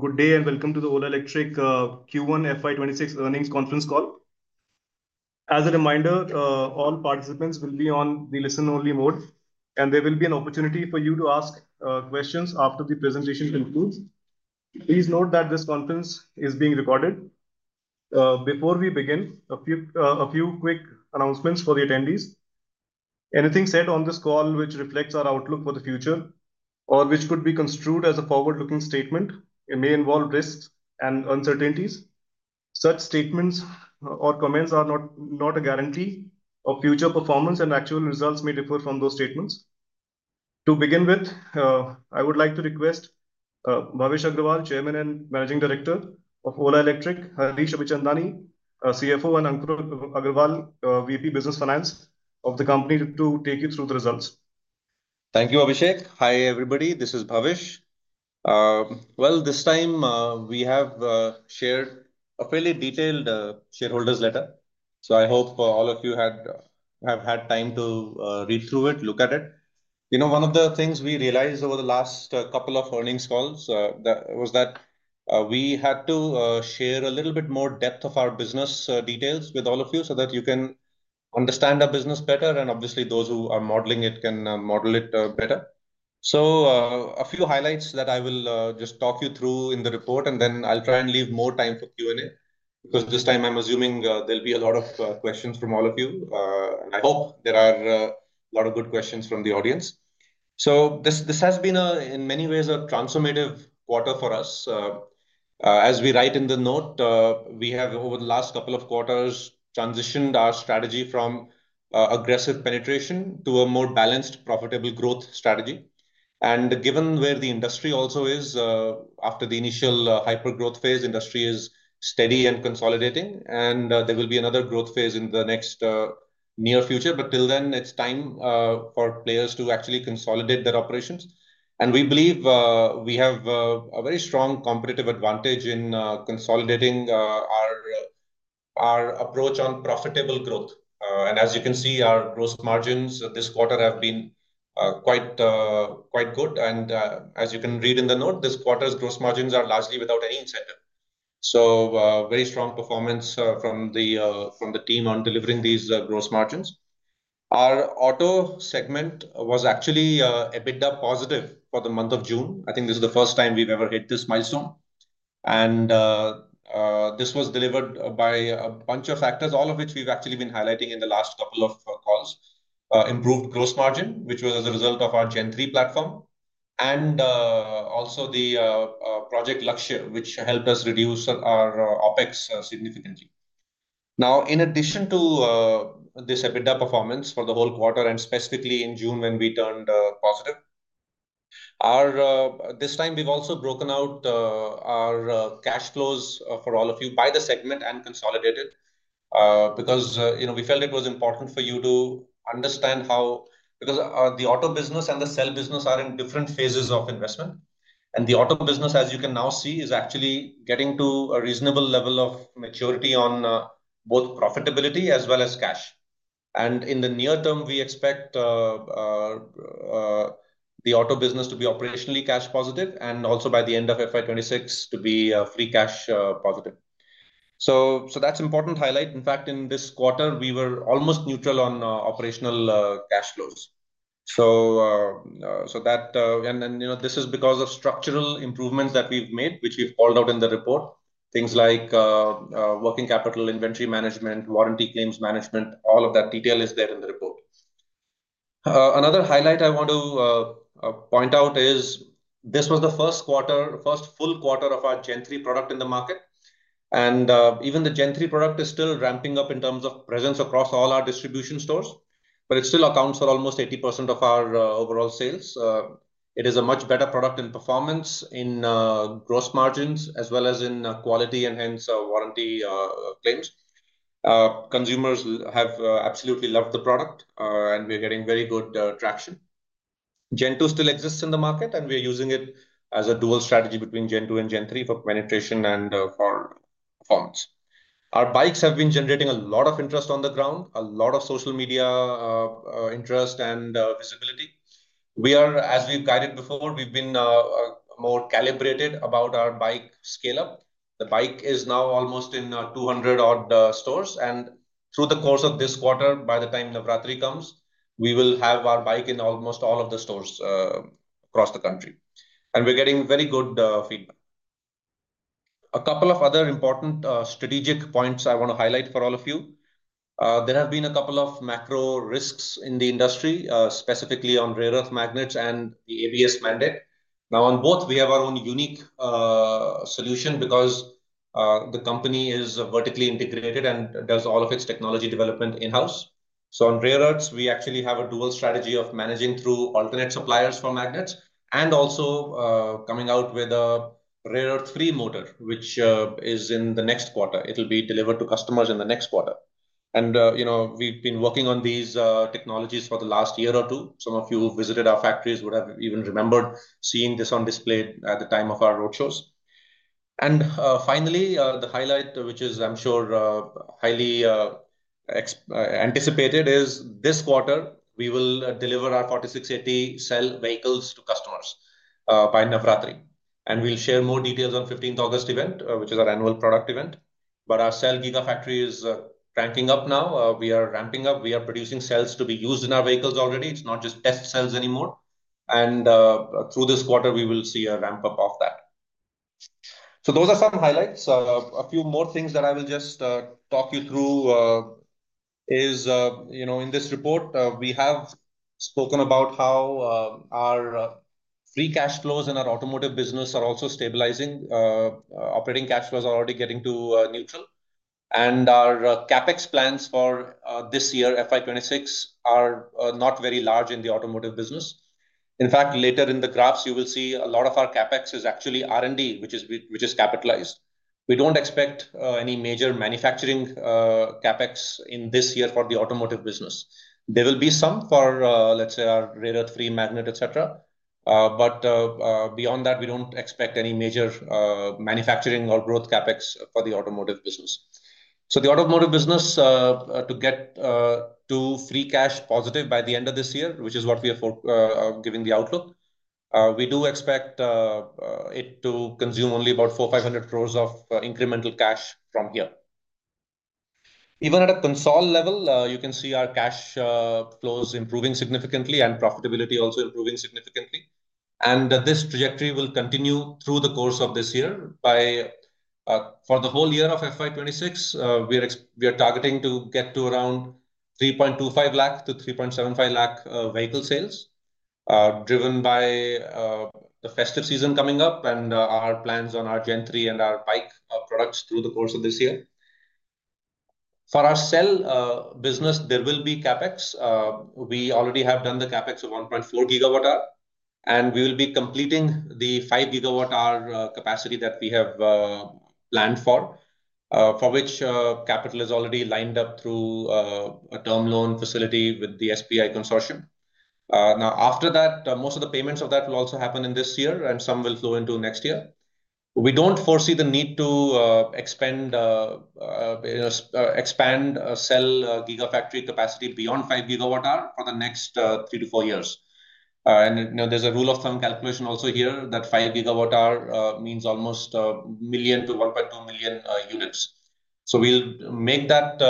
Good day and welcome to the Ola Electric Q1 FY 2026 earnings conference call. As a reminder, all participants will be on the listen only mode and there will be an opportunity for you to ask questions after the presentation concludes. Please note that this conference is being recorded. Before we begin, a few quick announcements for the attendees. Anything said on this call which reflects our outlook for the future or which could be construed as a forward looking statement may involve risks and uncertainties. Such statements or comments are not a guarantee of future performance and actual results may differ from those statements. To begin with, I would like to request Bhavish Aggarwal, Chairman and Managing Director of Ola Electric, Harish Abichandani, our CFO, and Ankur Agrawal VP Business Finance of the company, to take you through the results. Thank you. Abhishek, hi everybody, this is Bhavish. This time we have shared a fairly detailed shareholders letter, so I hope all of you have had time to read through it, look at it. You know, one of the things we realized over the last couple of earnings calls was that we had to share a little bit more depth of our business details with all of you so that you can understand our business better. Obviously those who are modeling it can model it better. A few highlights that I will just talk you through in the report and then I'll try and leave more time for Q&A because this time I'm assuming there'll be a lot of questions from all of you and I hope there are a lot of good questions from the audience. This has been, in many ways, a transformative quarter for us. As we write in the note, we have over the last couple of quarters transitioned our strategy from aggressive penetration to a more balanced, profitable growth strategy. Given where the industry also is after the initial hypergrowth phase, industry is steady and consolidating and there will be another growth phase in the next near future. Till then it's time for players to actually consolidate their operations and we believe we have a very strong competitive advantage in consolidating our approach on profitable growth. As you can see, our gross margins this quarter have been quite, quite good. As you can read in the note, this quarter's gross margins are largely without any incentive, so very strong performance from the team on delivering these gross margins. Our Auto segment was actually EBITDA positive for the month of June. I think this is the first time we've ever hit this milestone and this was delivered by a bunch of factors, all of which we've actually been highlighting in the last couple of calls, improved gross margin which was as a result of our Gen 3 platform and also the Project Lakshya which helped us reduce our OpEx significantly. Now, in addition to this EBITDA performance for the whole quarter and specifically in June when we turned positive, this time we've also broken out our cash flows for all of you by the segment and consolidated because we felt it was important for you to understand how because the Auto business and the Cell business are in different phases of investment and the Auto business, as you can now see, is actually getting to a reasonable level of maturity on both profitability as well as cash and in the near term we expect the Auto business to be operationally cash positive and also by the end of FY 2026 to be free cash positive. That's important highlight. In fact, in this quarter we were almost neutral on operational cash flows. This is because of structural improvements that we've made which we've called out in the report. Things like working capital, inventory management, warranty claims management. All of that detail is there in the report. Another highlight I want to point out is this was the first quarter, first full quarter of our Gen 3 product in the market. Even the Gen 3 product is still ramping up in terms of presence across all our distribution stores, but it still accounts for almost 80% of our overall sales. It is a much better product in performance, in gross margins as well as in quality and hence warranty claims. Consumers have absolutely loved the product and we're getting very good traction. Gen 2 still exists in the market and we're using it as a dual strategy between Gen 2 and Gen 3 for penetration and for performance. Our bikes have been generating a lot of interest on the ground, a lot of social media interest and visibility. We are, as we've guided before, we've been more calibrated about our bike scale up. The bike is now almost in 200 odd stores and through the course of this quarter, by the time Navratri comes, we will have our bike in almost all of the stores across the country and we're getting very good feedback. A couple of other important strategic points I want to highlight for all of you. There have been a couple of macro risks in the industry, specifically on rare earth magnet supply and the ABS mandate. On both we have our own unique solution because the company is vertically integrated and does all of its technology development in-house. On rare earths we actually have a dual strategy of managing through alternate suppliers for magnets and also coming out with a rare earth free motor which is in the next quarter. It will be delivered to customers in the next quarter. We've been working on these technologies for the last year or two. Some of you who visited our factories would have even remembered seeing this on display at the time of our roadshows. Finally, the highlight, which is I'm sure highly anticipated, is this quarter we will deliver our 4680 cell vehicles to customers by Navratri, and we'll share more details on the 15th August event, which is our annual product event. Our 4680 Cell Gigafactory is cranking up now. We are ramping up. We are producing cells to be used in our vehicles already. It's not just test cells anymore, and through this quarter we will see a ramp up of that. Those are some highlights. A few more things that I will just talk you through: in this report we have spoken about how our free cash flows in our Automotive business are also stabilizing. Operating cash flows are already getting to neutral, and our CapEx plans for this year, FY 2026, are not very large in the Automotive business. In fact, later in the graphs you will see a lot of our CapEx is actually R&D, which is capitalized. We don't expect any major manufacturing CapEx in this year for the Automotive business. There will be some for, let's say, our rare earth magnet supply, etc., but beyond that we don't expect any major manufacturing or growth CapEx for the Automotive business. The Automotive business is to get to free cash flow positive by the end of this year, which is what we are giving the outlook. We do expect it to consume only about 400-500 crore of incremental cash from here. Even at a consolidated level, you can see our cash flows improving significantly and profitability also improving significantly. This trajectory will continue through the course of this year. For the whole year of FY 2026, we are targeting to get to around 325,000 lakhs-375,000 lakhs vehicle sales, driven by the festive season coming up and our plans on our Gen 3 and our bike products through the course of this year. For our Cell business, there will be CapEx. We already have done the CapEx of 1.4 GWh, and we will be completing the 5 GWh capacity that we have planned for, for which capital is already lined up through a term loan facility with the SBI consortium. After that, most of the payments of that will also happen in this year and some will flow into next year. We don't foresee the need to expand Cell Gigafactory capacity beyond 5 GWh for the next three to four years. There is a rule of thumb calculation also here that 5 GWh means almost 1 million-1.2 million units. We will make that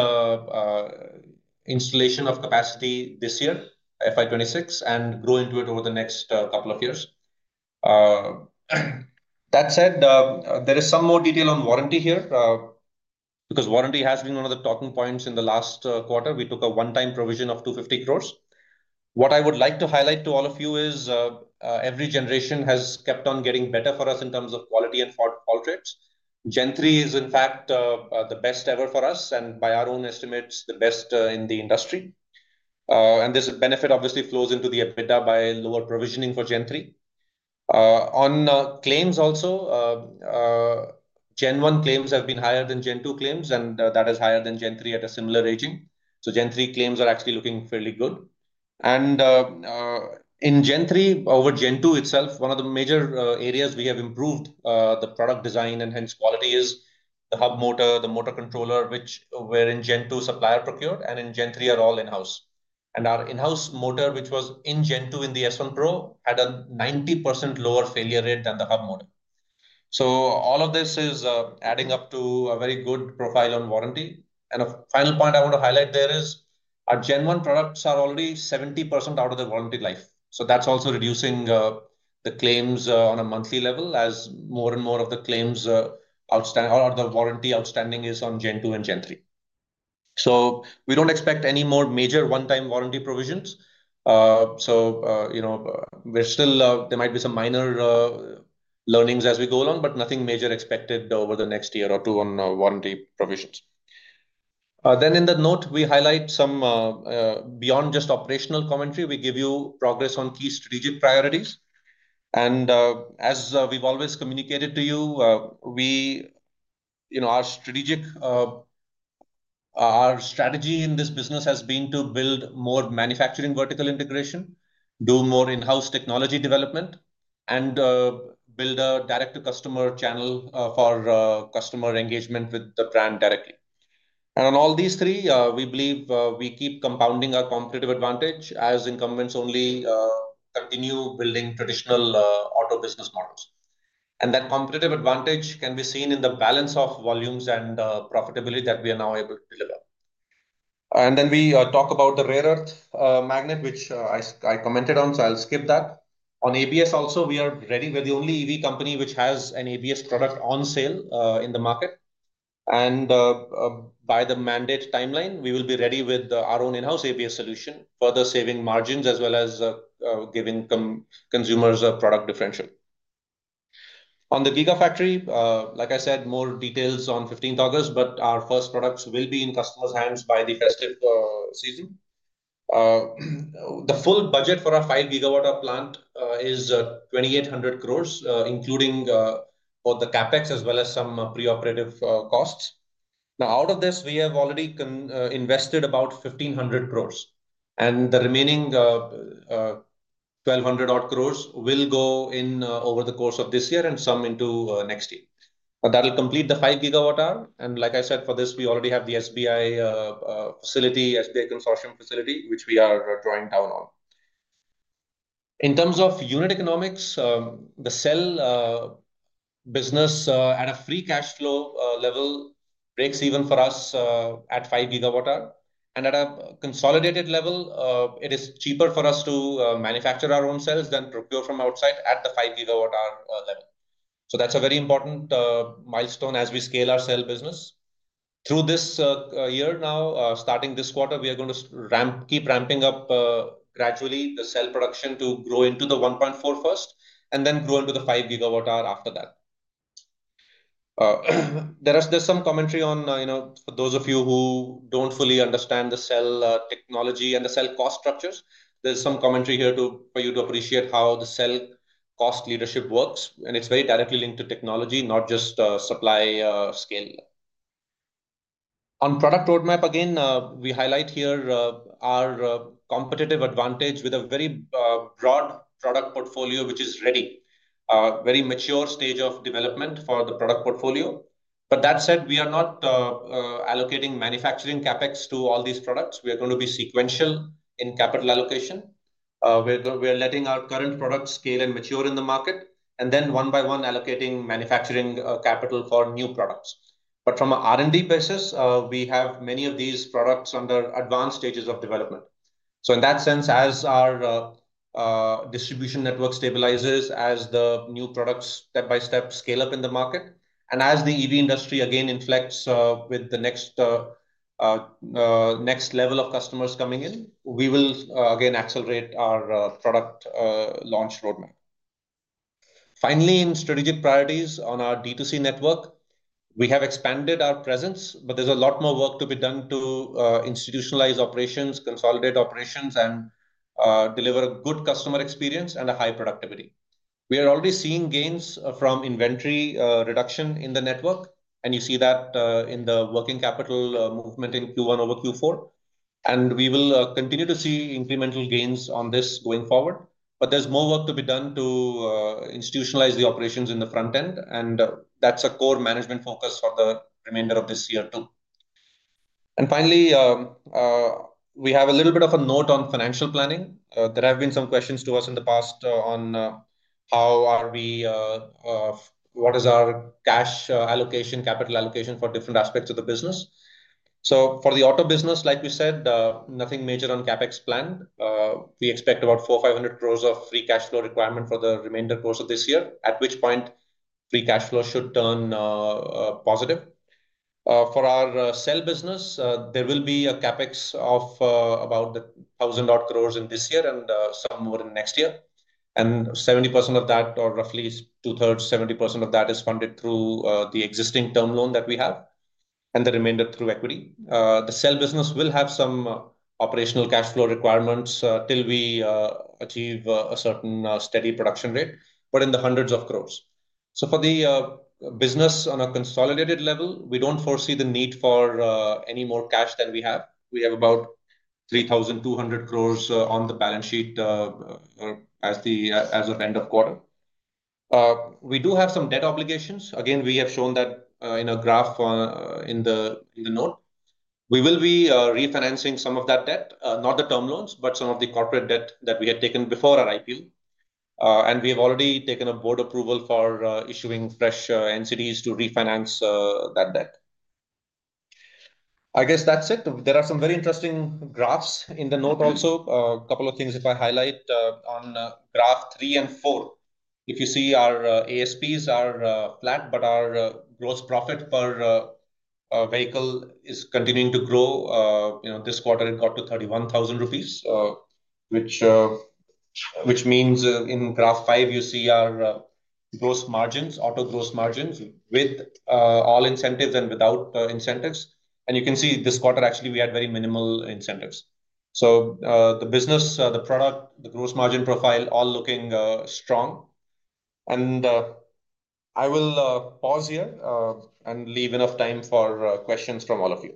installation of capacity this year FY 2026 and grow into it over the next couple of years. That said, there is some more detail on warranty here because warranty has been one of the talking points in the last quarter. We took a one-time provision of 250 crores. What I would like to highlight to all of you is every generation has kept on getting better for us in terms of quality and all traits. Gen 3 is in fact the best ever for us and by our own estimates the best in the industry. This benefit obviously flows into the EBITDA by lower provisioning for Gen 3 on claims. Also, Gen 1 claims have been higher than Gen 2 claims and that is higher than Gen 3 at a similar aging. Gen 3 claims are actually looking fairly good and in Gen 3 over Gen 2 itself. One of the major areas we have improved the product design and hence quality is the Hub Motor. The Motor Controller, which were in Gen 2 supplier procured and in Gen 3 are all in-house, and our in-house motor, which was in Gen 2 in the S1 Pro, had a 90% lower failure rate than the Hub Motor. All of this is adding up to a very good profile on warranty. A final point I want to highlight is our Gen 1 products are already 70% out of the warranty life. That is also reducing the claims on a monthly level as more and more of the claims outstanding or the warranty outstanding is on Gen 2 and Gen 3. We do not expect any more major one-time warranty provisions. There might be some minor learnings as we go along but nothing major expected over the next year or two on warranty provisions. In the note we highlight some beyond just operational commentary. We give you progress on key strategic priorities and as we have always communicated to you, our strategy in this business has been to build more manufacturing vertical integration, do more in-house technology development, and build a direct-to-customer channel for customer engagement with the brand directly. On all these three we believe we keep compounding our competitive advantage as incumbents only continue building traditional auto business models, and that competitive advantage can be seen in the balance of volumes and profitability that we are now able to deliver. We talk about the rare earth magnet, which I commented on, so I will skip that. On ABS also we are ready. We're the only EV company which has an ABS product on sale in the market. By the mandate timeline we will be ready with our own in-house ABS solution, further saving margins as well as giving consumers a product differential. On the Gigafactory like I said, more details on the 15th of August, but our first products will be in customers' hands by the festive season. The full budget for our 5 GW plant is 2,800 crores, including both the CapEx as well as some pre-operative costs. Out of this, we have already invested about 1,500 crores, and the remaining 1,200 crores will go in over the course of this year and some into next year. That will complete the 5 GWh. Like I said, for this we already have the SBI consortium facility which we are drawing down on. In terms of unit economics, the cell business at a free cash flow level breaks even for us at 5 GWh, and at a consolidated level it is cheaper for us to manufacture our own cells than procure from outside at the 5 GWh level. That's a very important milestone as we scale our Cell business through this year. Starting this quarter, we are going to keep ramping up gradually the cell production to grow into the 1.4 crores first and then grow into the 5 GWh after that. There's some commentary on, you know, those of you who don't fully understand the cell technology and the cell cost structures, there's some commentary here for you to appreciate how the cell cost leadership works and it's very directly linked to technology, not just supply scale. On product roadmap again, we highlight here our competitive advantage with a very broad product portfolio which is ready, very mature stage of development for the product portfolio. That said, we are not allocating manufacturing CapEx to all these products. We are going to be sequential in capital allocation. We are letting our current products scale and mature in the market and then one-by-one allocating manufacturing capital for new products. From an R&D basis, we have many of these products under advanced stages of development. In that sense, as our distribution network stabilizes, as the new products step by step scale up in the market, and as the EV industry again inflects with the next level of customers coming in, we will again accelerate our product launch roadmap. Finally, in strategic priorities on our D2C Network, we have expanded our presence, but there's a lot more work to be done to institutionalize operations, consolidate operations, and deliver a good customer experience and a high productivity. We are already seeing gains from inventory reduction in the network, and you see that in the working capital movement in Q1 over Q4. We will continue to see incremental gains on this going forward, but there's more work to be done to institutionalize the operations in the front end, and that's a core management focus for the remainder of this year too. Finally, we have a little bit of a note on financial planning. There have been some questions to us in the past on how are we, what is our cash allocation, capital allocation for different aspects of the business. For the Auto business, like we said, nothing major on CapEx planned. We expect about 4,500 crores of free cash flow requirement for the remainder course of this year, at which point free cash flow should turn positive. For our cell business, there will be a CapEx of about 1,000 crore in this year and some more, and 70% of that, or roughly two thirds, 70% of that is funded through the existing term loan that we have and the remainder through equity. The cell business will have some operational cash flow requirements till we achieve a certain steady production rate, but in the hundreds of crores. For the business on a consolidated level, we don't foresee the need for any more cash than we have. We have about 3,200 crores on the balance sheet as of end of quarter. We do have some debt obligations. We have shown that in a graph in the note. We will be refinancing some of that debt, not the term loans, but some of the corporate debt that we had taken before our IPO. We have already taken a Board approval for issuing fresh NCDs to refinance that debt. I guess that's it. There are some very interesting graphs in the note. Also, a couple of things. If I highlight on Graph 3 and 4, if you see our ASPs are flat, but our gross profit per vehicle is continuing to grow. This quarter it got to 31,000 rupees, which means in Graph 5 you see our gross margins, Auto Gross Margins with all incentives and without incentives. You can see this quarter actually we had very minimal incentives. The business, the product, the gross margin profile all looking strong. I will pause here and leave enough time for questions from all of you.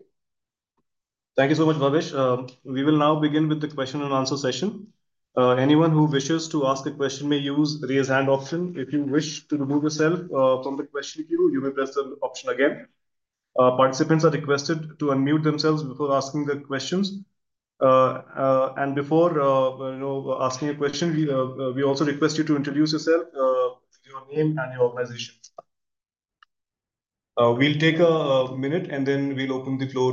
Thank you so much, Bhavish. We will now begin with the question-and-answer session. Anyone who wishes to ask a question may use the raise hand option. If you wish to remove yourself from the question queue, you may press the option again. Participants are requested to unmute themselves before asking the questions. Before asking a question, we also request you to introduce yourself, your name, and your organization. We'll take a minute and then we'll open the floor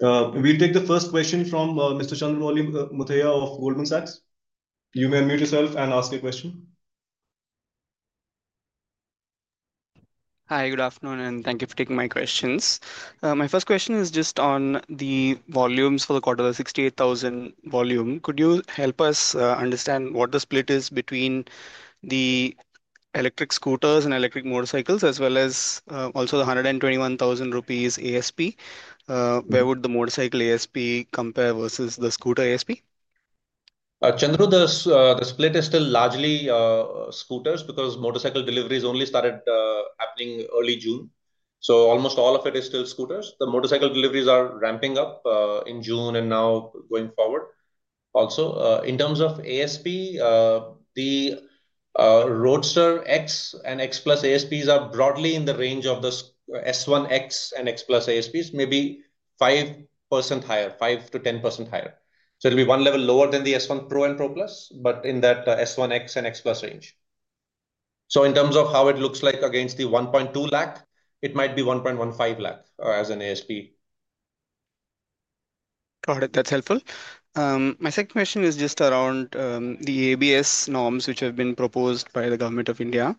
for Q&A. We take the first question from Mr. Chandramouli Muthiah of Goldman Sachs. You may unmute yourself and ask a question. Hi, good afternoon and thank you for taking my questions. My first question is just on the volumes for the quarter, 68,000 volume. Could you help us understand what the split is between the electric scooters and electric motorcycles, as well as also 121,000 rupees ASP? Where would the motorcycle ASP compare versus the scooter ASP? Chandra, the split is still largely scooters because motorcycle deliveries only started to happen early June. Almost all of it is still scooters. The motorcycle deliveries are ramping up in June and now going forward. Also, in terms of ASP, the Roadster X and X+ ASPs are broadly in the range of the S1 X and SX+ ASPs, maybe 5% higher, 5%-10% higher. It'll be one level lower than the S1 Pro and Pro+ but in that S1 X and X+ range. In terms of how it looks like against the 1.2 lakh, it might be 1.15 lakh as an ASP. Got it. That's helpful. My second question is just around the ABS norms which have been proposed by the government of India.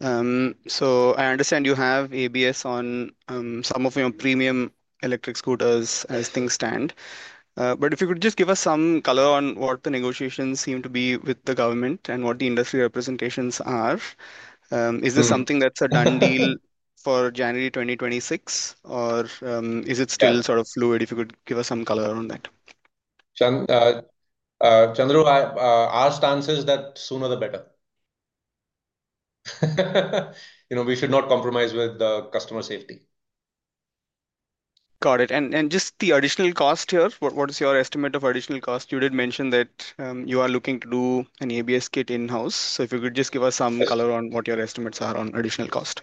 I understand you have ABS on some of your premium electric scooters as things stand. If you could just give us some color on what the negotiations seem to be with the government and what the industry representations are. Is this something that's a done deal for January 2026 or is it still sort of fluid? If you could give us some color on that. Chandra, our stance is that sooner the better. You know, we should not compromise with the customer safety. Got it. What is your estimate of additional cost? You did mention that you are looking to do an ABS kit in-house. If you could just give us some color on what your estimates are on additional cost.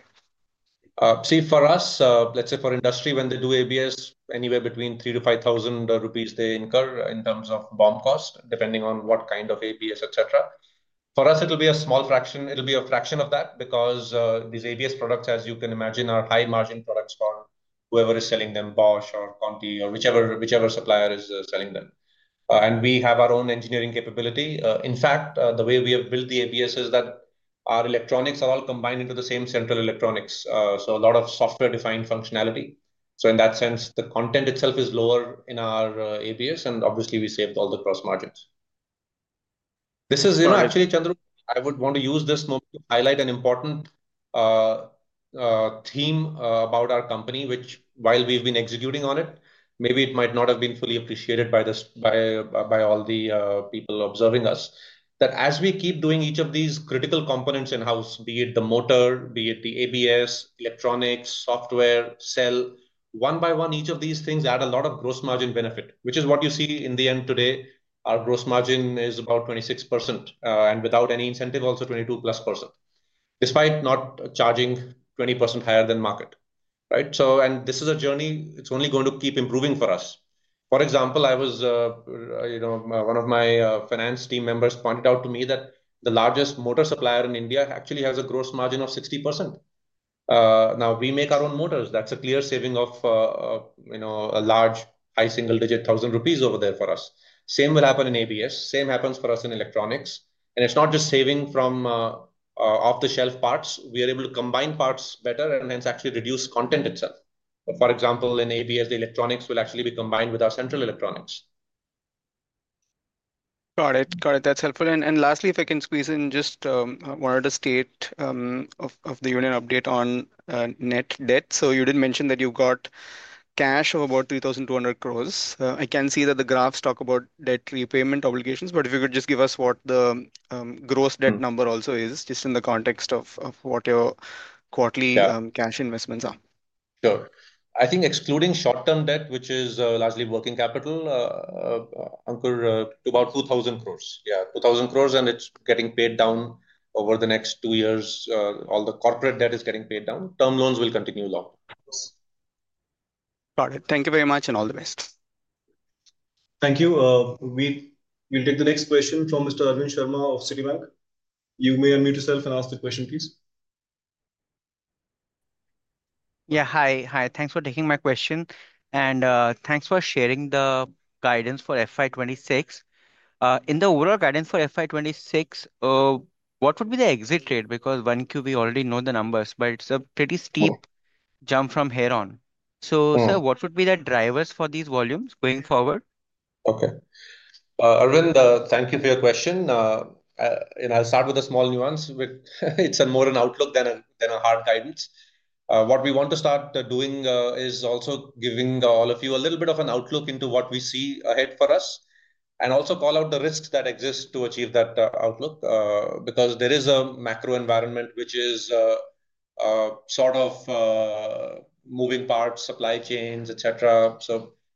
See for us, let's say for industry when they do ABS, anywhere between 3,000-5,000 rupees they incur in terms of BOM cost. Depending on what kind of ABS, for us it'll be a small fraction, it'll be a fraction of that. Because these ABS products, as you can imagine, are high margin products for whoever is selling them, Bosch or Conti or whichever supplier is selling them. We have our own engineering capability. In fact, the way we have built the ABS is that our electronics are all combined into the same central electronics, so a lot of software defined functionality. In that sense, the content itself is lower in our ABS and obviously we saved all the cross margins. This is, you know, actually Chandra, I would want to use this moment to highlight an important theme about our company which, while we've been executing on it, maybe it might not have been fully appreciated by all the people observing us, that as we keep doing each of these critical components in-house, be it the Motor, be it the ABS Electronics, Software, Cell, one-by-one, each of these things add a lot of gross margin benefit which is what you see in the end. Today our gross margin is about 26% and without any incentive also 22%+ despite not charging 20% higher than market. Right. This is a journey, it's only going to keep improving for us. For example, I was, you know, one of my finance team members pointed out to me that the largest motor supplier in India actually has a gross margin of 60%. Now we make our own motors. That's a clear saving of, you know, a large high single digit thousand rupees over there for us. Same will happen in ABS, same happens for us in electronics. It's not just saving from off the shelf parts. We are able to combine parts better and hence actually reduce content itself. For example, in ABS the electronics will actually be combined with our central electronics. Got it, got it. That's helpful. Lastly, if I can squeeze in just one of the state of the union update on net debt. You did mention that you've got cash of about 3,200 crores. I can see that the graphs talk about debt repayment obligations. If you could just give us what the gross debt number also is, just in the context of what your quarterly cash investments are. Sure. I think excluding short-term debt, which is largely working capital, [Ankur,] to about 2,000 crores. Yeah, 2,000 crores, and it's getting paid down over the next two years. All the corporate debt is getting paid down. Term loans will continue long. Got it. Thank you very much and all the best. Thank you. We'll take the next question from Mr. Arvind Sharma of Citibank. You may unmute yourself and ask the question please. Yeah. Hi. Hi. Thanks for taking my question, and thanks. For sharing the guidance for FY 2026. In the overall guidance for FY 2026, what would be the exit rate? Because one quarter, we already know the numbers, but it's a pretty steep jump from here on. What would be the drivers for these volumes going forward? Okay, Arvind, thank you for your question. I'll start with a small nuance. It's more an outlook than a hard guidance. What we want to start doing is also giving all of you a little bit of an outlook into what we see ahead for us and also call out the risks that exist to achieve that outlook. There is a macro environment which is sort of moving parts, supply chains, etc.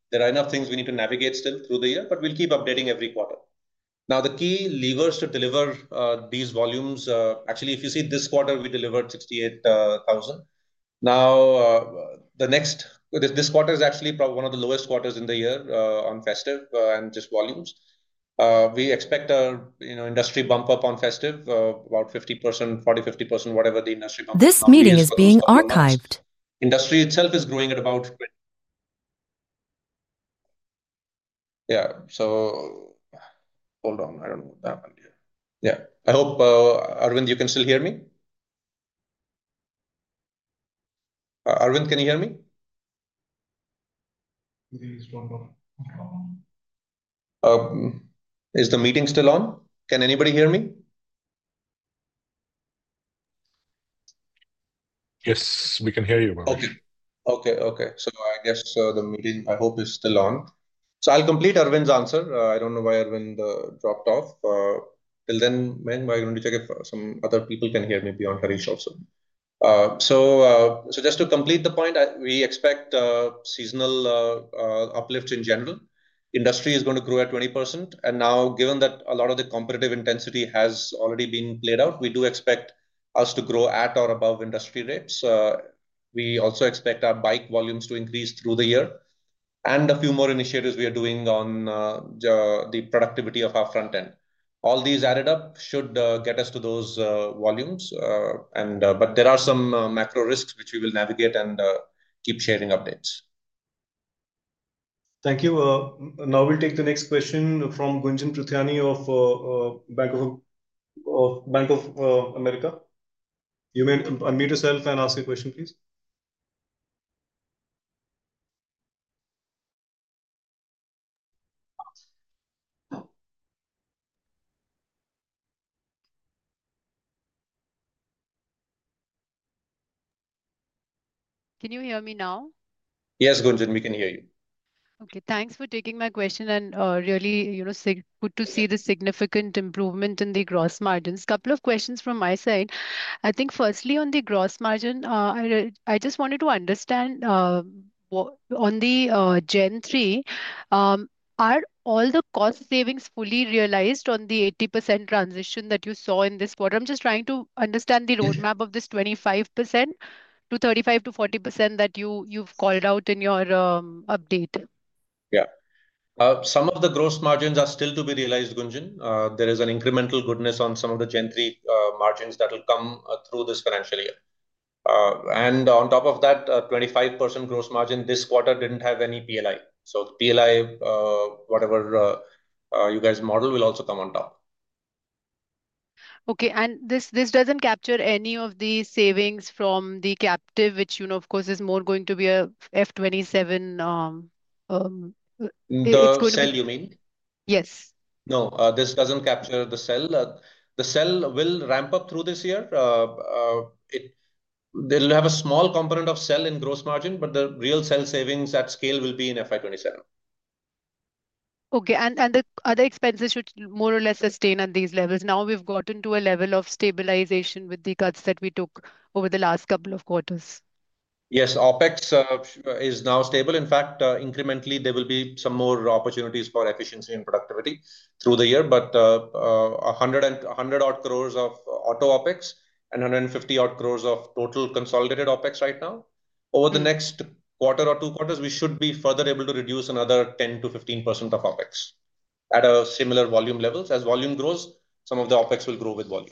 There are enough things we need to navigate still through the year. We'll keep updating every quarter now the key levers to deliver these volumes. Actually, if you see this quarter, we delivered 68,000. This quarter is actually probably one of the lowest quarters in the year. On festive and just volumes, we expect, you know, an industry bump up on festive about 50%, 40%, 50%. Whatever the industry. This meeting is being archived. Industry itself is growing at about. Yeah. Hold on, I don't know what happened here. Yeah, I hope. Arvind, you can still hear me? Arvind, can you hear me? Is the meeting still on? Can anybody hear me? Yes, we can hear you Bhavish. Okay. Okay. Okay. I guess the meeting, I hope, is still on. I'll complete Arvind's answer. I don't know why Arvind dropped off till then. We're going to check if some other people can hear me beyond Harish also. Just to complete the point, we expect seasonal uplifts. In general, industry is going to grow at 20%. Now, given that a lot of the competitive intensity has already been played out, we do expect us to grow at or above industry rates. We also expect our bike volumes to increase through the year and a few more initiatives we are doing on the productivity of our front-end. All these added up should get us to those volumes. There are some macro risks which we will navigate and keep sharing updates. Thank you. Now we'll take the next question from Gunjan Prithyani of Bank of America. You may unmute yourself and ask a question please. Can you hear me now? Yes, Gunjan, we can hear you. Okay, thanks for taking my question and really, you know, to see the significant improvement in the gross margins. Couple of questions from my side. I think firstly on the gross margin, I just wanted to understand on the Gen 3, are all the cost savings fully realized on the 80% transition that you saw in this quarter? I'm just trying to understand the roadmap of this 25% to 35% to 40% that you've called out in your update. Yeah, some of the gross margins are still to be realized, Gunjan. There is an incremental goodness on some of the Gen 3 margins that will come through this financial year. On top of that, 25% gross margin this quarter didn't have any PLI. PLI, whatever you guys model, will also come on top. Okay. This doesn't capture any of the savings from the captive, which, you know, of course is more going to be a FY 2027. Cell, you mean? Yes. No, this doesn't capture the cell. The Cell will ramp up through this year. It'll have a small component of cell in gross margin, but the real cell savings at scale will be in FY 2027. Okay. The other expenses should more or less sustain at these levels. Now we've gotten to a level of stabilization with the cuts that we took over the last couple of quarters. Yes, OpEx is now stable. In fact, incrementally there will be some more opportunities for efficiency and productivity through the year. 100 crore of auto OpEx and 150 crore of total consolidated OpEx right now over the next quarter or two quarters, we should be further able to reduce another 10%-15% of OpEx at similar volume levels. As volume grows, some of the OpEx will grow with volume.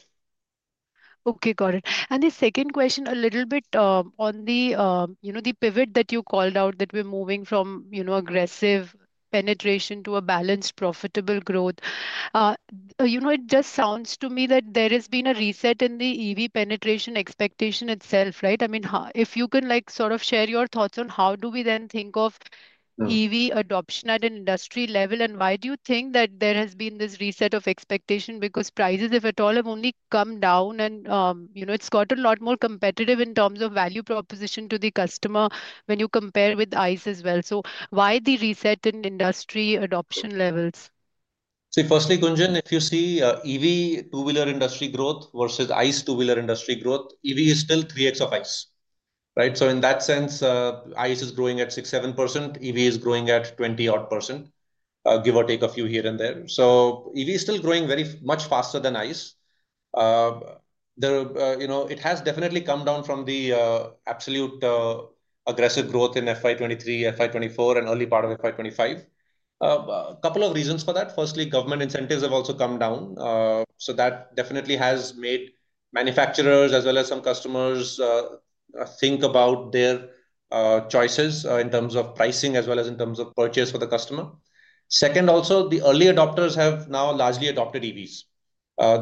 Okay, got it. The second question, a little bit on the pivot that you called out, that we're moving from aggressive penetration to a balanced, profitable growth. It just sounds to me that there has been a reset in the EV penetration expectation itself. Right? I mean, if you can sort of share your thoughts on how do we then think of EV adoption at an industry level and why do you think that there has been this reset of expectation? Because prices, if at all, have only come down, and it's got a lot more competitive in terms of value proposition to the customer when you compare with ICE as well. Why the reset in industry adoption levels? See, firstly Gunjan, if you see EV 2 Wheeler industry growth versus ICE 2 Wheeler industry growth, EV is still 3x of ICE. In that sense, ICE is growing at 6%, 7%. EV is growing at 20% odd, give or take a few here and there. EV is still growing very much faster than ICE. It has definitely come down from the absolute aggressive growth in FY 2023, FY 2024, and early part of FY 2025. A couple of reasons for that. Firstly, government incentives have also come down. That definitely has made manufacturers as well as some customers think about their choices in terms of pricing as well as in terms of purchase for the customer. Second, the early adopters have now largely adopted EVs.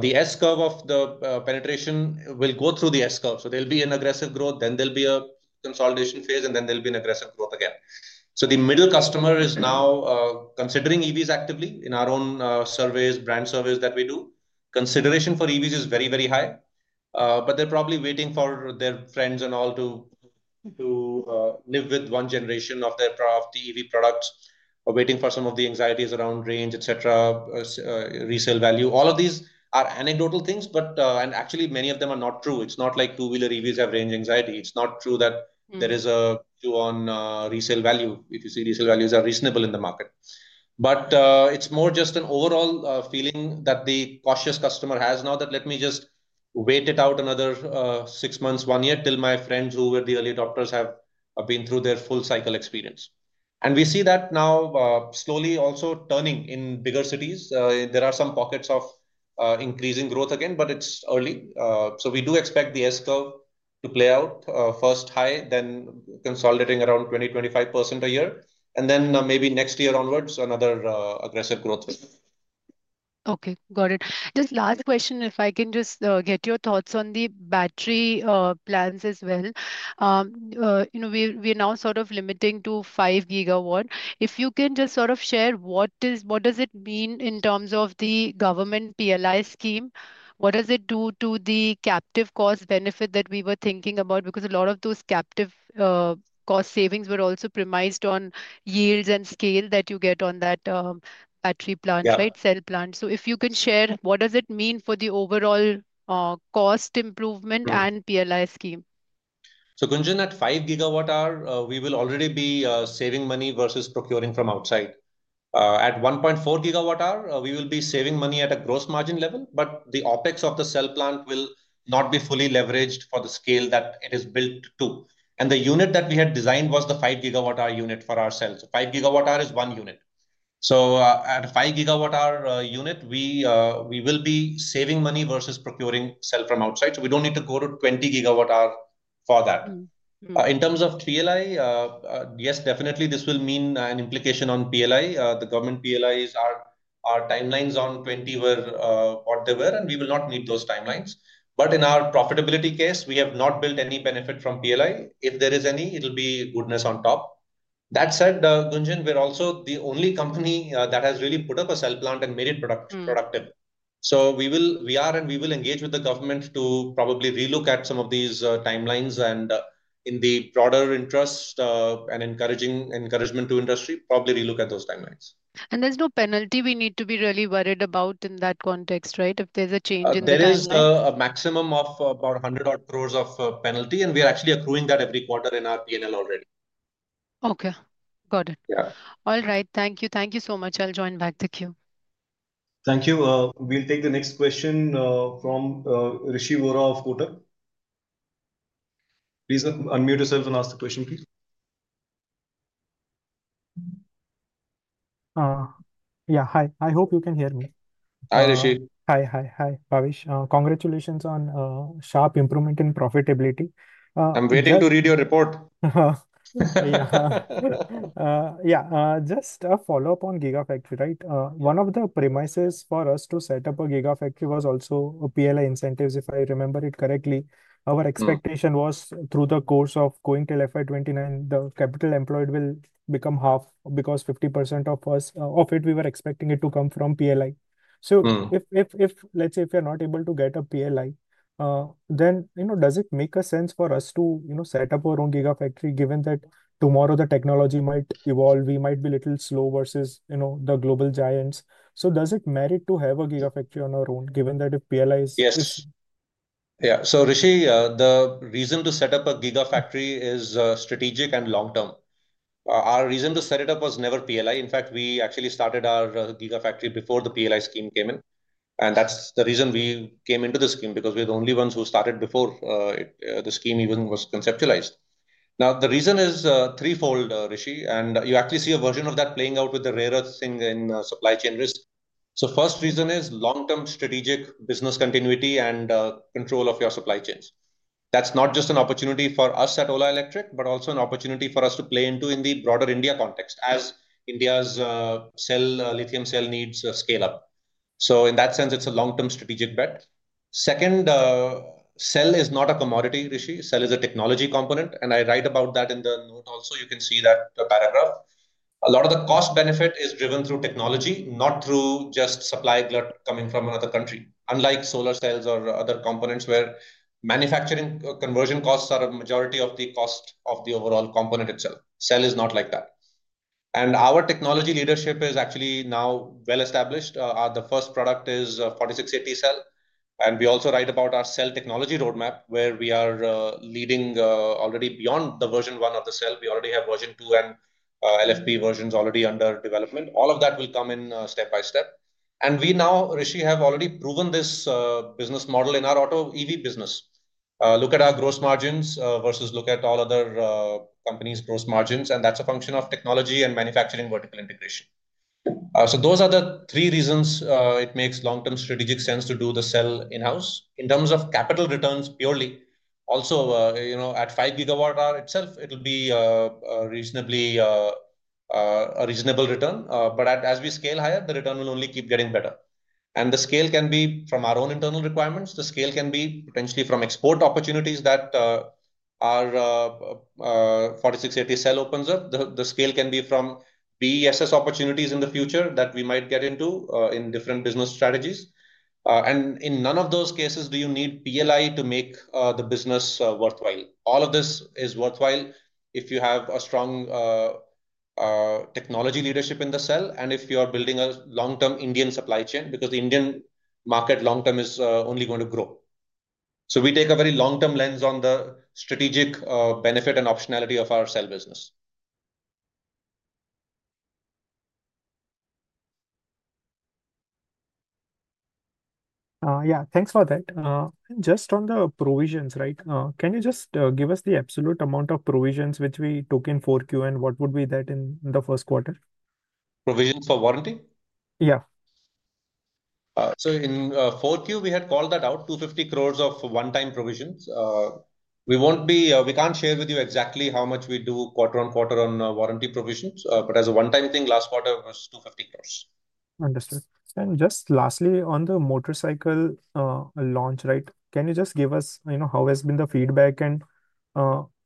The S-curve of the penetration will go through the S-curve. There will be an aggressive growth, then there will be a consolidation phase, and then there will be an aggressive growth again. The middle customer is now considering EVs actively. In our own surveys, brand surveys that we do, consideration for EVs is very, very high. They're probably waiting for their friends and all to live with one generation of their craft, the EV products, waiting for some of the anxieties around range, etc., resale value. All of these are anecdotal things, and actually many of them are not true. It's not like two-wheeler EVs have range anxiety. It's not true that there is a view on resale value. If you see, these values are reasonable in the market. It's more just an overall feeling that the cautious customer has now, that let me just wait it out another six months, one year, till my friends who were the early adopters have been through their full cycle experience, and we see that now slowly also turning. In bigger cities, there are some pockets of increasing growth again, but it's early. We do expect the S-curve to play out first high, then consolidating around 20%, 25% a year, and then maybe next year onwards another aggressive growth. Okay, got it. Just last question, if I can just get your thoughts on the battery plans as well. You know we are now sort of limiting to 5 GW if you can just sort of share what is, what does it mean in terms of the government PLI scheme? What does it do to the captive cost benefit that we were thinking about? Because a lot of those captive cost savings were also premised on yields and scale that you get on that battery plant, right, cell plant. If you can share what does it mean for the overall cost improvement and PLI scheme? Gunjan, at 5 GWh we will already be saving money versus procuring from outside. At 1.4 GWh we will be saving money at a gross margin level, but the OpEx of the cell plant will not be fully leveraged for the scale that it is built to. The unit that we had designed was the 5 GWh unit for ourselves. 5 GWh is one unit. At 5 GWh unit we will be saving money versus procuring cell from outside. We don't need to go to 20 GWh for that. In terms of PLI, yes, definitely. This will mean an implication on PLI. The government PLIs are our timelines on 20 GWh were what they were and we will not need those timelines. In our profitability case, we have not built any benefit from PLI. If there is any, it will be goodness on top. That said, Gunjan, we're also the only company that has really put up a cell plant and made it productive. We are and we will engage with the government to probably relook at some of these timelines and in the broader interest and encouragement to industry, probably relook at those timelines. There is no penalty we need to be really worried about in that context. If there's a change,. there is There is a maximum of about 100 crores of penalty, and we are actually accruing that every quarter in our P&L already. Okay, got it. Yeah. All right. Thank you. Thank you so much. I'll join back the queue. Thank you. We'll take the next question from Rishi Vora of Kotak. Please unmute yourself and ask the question, please. Hi, I hope you can hear me. Hi Rishi. Hi Bhavish. Congratulations on sharp improvement in profitability. I'm waiting to read your report. Yeah, just a follow up on Gigafactory. Right. One of the premises for us to set up a Gigafactory was also PLI incentives. If I remember it correctly, our expectation was through the course of going till FY 2029 the capital employed will become half because 50% of it we were expecting to come from PLI. Let's say if you're not able to get a PLI, then does it make sense for us to set up our own Gigafactory given that tomorrow the technology might evolve, we might be a little slow versus the global giants. Does it merit to have a Gigafactory on our own given that if PLI. Rishi, the reason to set up a Gigafactory is strategic and long-term. Our reason to set it up was never PLI. In fact, we actually started our Gigafactory before the PLI scheme came in. That's the reason we came into the scheme because we're the only ones who started before the scheme even was conceptualized. The reason is threefold, Rishi. You actually see a version of that playing out with the rare earth thing in supply chain risk. The first reason is long-term strategic business continuity and control of your supply chains. That's not just an opportunity for us at Ola Electric but also an opportunity for us to play into in the broader India context as India's cell lithium cell needs scale up. In that sense, it's a long term strategic bet. Second, cell is not a commodity, Rishi. Cell is a technology component and I write about that in the note also, you can see that paragraph. A lot of the cost benefit is driven through technology, not through just supply glut coming from another country. Unlike Solar Cells or other components where manufacturing conversion costs are a majority of the cost of the overall component itself, cell is not like that. Our technology leadership is actually now well established. The first product is 4680 cell. We also write about our cell technology roadmap where we are leading already beyond the version one of the cell. We already have version two and LFP versions already under development. All of that will come in step-by-step. We now, Rishi, have already proven this business model in our auto EV business. Look at our gross margins versus look at all other companies' gross margins and that's a function of technology and manufacturing vertical integration. Those are the three reasons it makes long-term strategic sense to do the cell in-house in terms of capital returns purely. Also, you know at 5 GWh itself it'll be reasonably a reasonable return. As we scale higher, the return will only keep getting better. The scale can be from our own internal requirements. The scale can be potentially from export opportunities that our 4680 cell opens up. The scale can be from BESS opportunities in the future that we might get into in different business strategies. In none of those cases do you need PLI to make the business worthwhile. All of this is worthwhile if you have a strong technology leadership in the cell and if you are building a long-term Indian supply chain because the Indian market long-term is only going to grow. We take a very long-term lens on the strategic benefit and optionality of our Cell business. Yeah, thanks for that. Just on the provisions, right, can you just give us the absolute amount of provisions which we took in 4Q and what would be that in the first quarter? Provisions for warranty. Yeah. In fourth year we had called that out, 250 crore of one-time provisions. We won't be, we can't share with you exactly how much we do quarter-on-quarter on warranty provisions, but as a one-time thing last quarter was 250 crores. Understood. Just lastly on the motorcycle launch, right, can you give us, you know, how has been the feedback?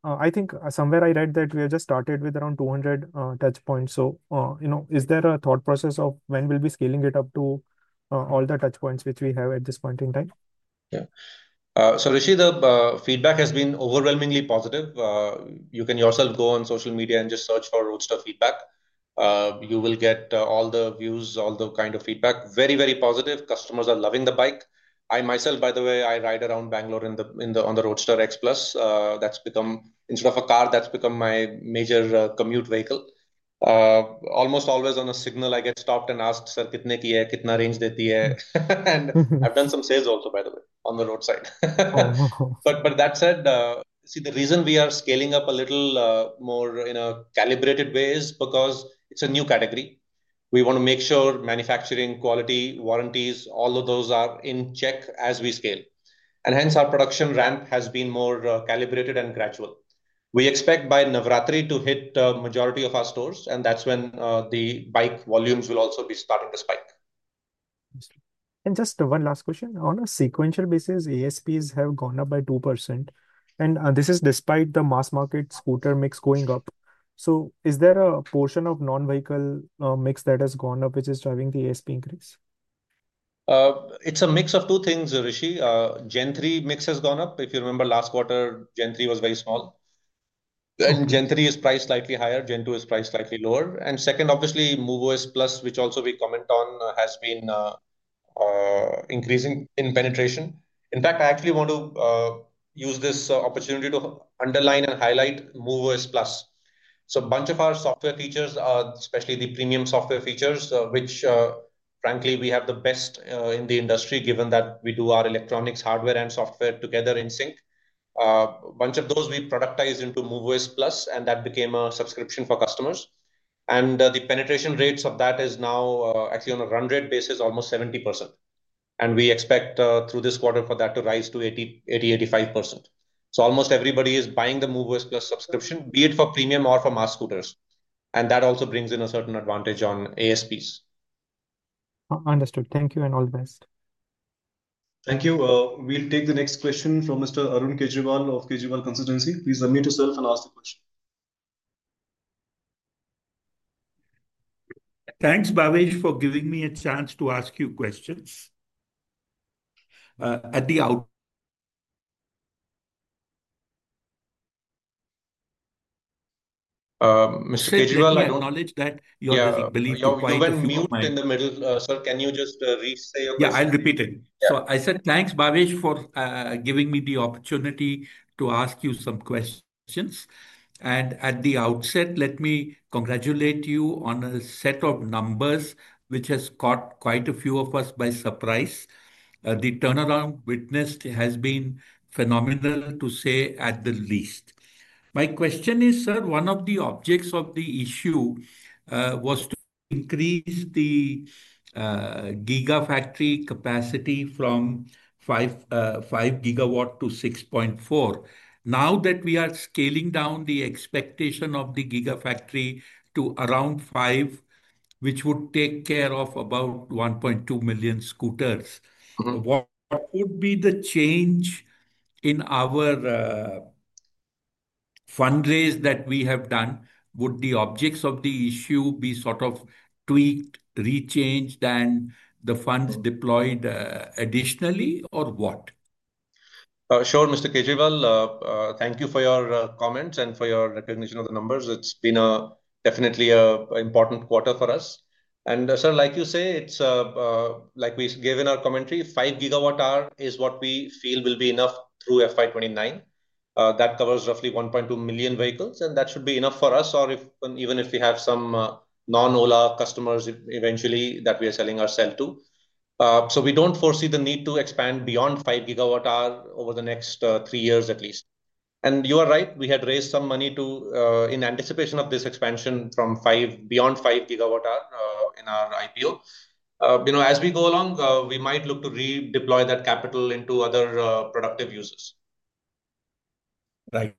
I think somewhere I read that we have just started with around 200 touch points. Is there a thought process of when we'll be scaling it up to all the touch points which we have at this point in time? Rishi, the feedback has been overwhelmingly positive. You can yourself go on social media and just search for Roadster feedback. You will get all the views, all the kind of feedback. Very, very positive. Customers are loving the bike. I myself, by the way, I ride around Bengaluru on the Roadster X+; that's become, instead of a car, that's become my major commute vehicle. Almost always on a signal I get stopped and asked, sir, and I've done some sales also, by the way, on the roadside. That said, the reason we are scaling up a little more in a calibrated way is because it's a new category. We want to make sure manufacturing, quality, warranties, all of those are in check as we scale, and hence our production ramp has been more calibrated and gradual. We expect by Navratri to hit majority of our stores, and that's when the bike volumes will also be starting to spike. Just one last question. On a sequential basis, ASPs have gone up by 2%, and this is despite the mass market scooter mix going up. Is there a portion of non-vehicle mix that has gone up which is driving the ASP increase? It's a mix of two things, Rishi. Gen 3 mix has gone up. If you remember, last quarter Gen 3 was very small, and Gen 3 is priced slightly higher. Gen 2 is priced slightly lower, and second, obviously, MoveOS+, which also we comment on, has been increasing in penetration. In fact, I actually want to use this opportunity to underline and highlight MoveOS+. A bunch of our software features, especially the premium software features, which frankly we have the best in the industry given that we do our electronics, hardware, and software together in sync. A bunch of those we productize into MoveOS+, and that became a subscription for customers, and the penetration rates of that is now actually on a run rate basis almost 70%. We expect through this quarter for that to rise to 80%, 80%, 85%. Almost everybody is buying the MoveOS+ subscription, be it for premium or for mass scooters. That also brings in a certain advantage on ASPs. Understood. Thank you and all the best. Thank you. We'll take the next question from Mr. Arun Kejriwal of Kejriwal Consistency. Please unmute yourself and ask the question. Thanks Bhavish for giving me a chance to ask you questions at the outcome. Acknowledge that. In the middle. Sir, can you just reset? Yeah, I'll repeat it. I said thanks Bhavish for giving me the opportunity to ask you some questions. At the outset, let me congratulate you on a set of numbers which has caught quite a few of us by surprise. The turnaround witnessed has been phenomenal to say the least. My question is, sir, one of the objects of the issue was to increase the Gigafactory capacity from 5 GW to 6.4 GW. Now that we are scaling down the expectation of the Gigafactory to around 5 GW, which would take care of about 1.2 million scooters, what would be the change in our fundraise that we have done? Would the objects of the issue be sort of tweaked, changed, and the funds deployed additionally or what? Sure. Mr. Kejriwal, thank you for your comments and for your recognition of the numbers. It's been definitely an important quarter for us. Sir, like you say, like we gave in our commentary, 5 GWh is what we feel will be enough through FY 2029. That covers roughly 1.2 million vehicles and that should be enough for us, or even if we have some non-Ola customers eventually that we are selling ourselves to. We don't foresee the need to expand beyond 5 GWh over the next three years at least. You are right, we had raised some money in anticipation of this expansion from 5 GWh beyond 5 GWh in our IPO. As we go along, we might look to redeploy that capital into other productive uses. Right.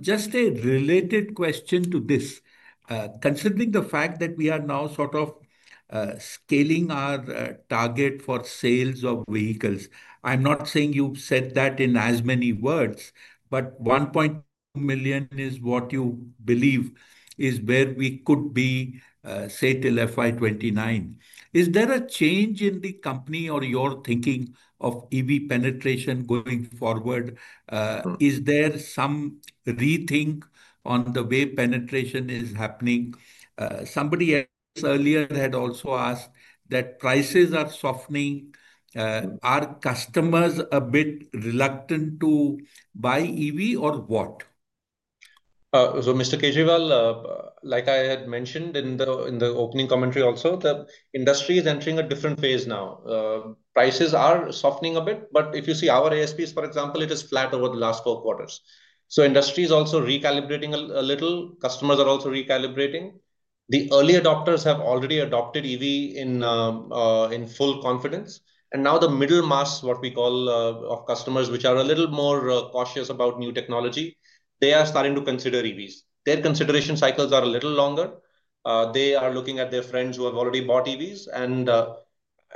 Just a related question to this. Considering the fact that we are now sort of scaling our target for sales of vehicles, I'm not saying you've said that in as many words, but 1.2 million is what you believe is where we could be say till FY 2029. Is there a change in the company or your thinking of EV penetration going forward, is there some rethink on the way penetration is happening? Somebody earlier had also asked that prices are softening. Are customers a bit reluctant to buy EV or what? Like I had mentioned in the opening commentary also, the industry is entering a different phase now. Prices are softening a bit. If you see our ASPs, for example, it is flat over the last four quarters. The industry is also recalibrating a little. Customers are also recalibrating. The early adopters have already adopted EV in full confidence. Now the middle mass, what we call of customers which are a little more cautious about new technology, they are starting to consider EVs. Their consideration cycles are a little longer. They are looking at their friends who have already bought EVs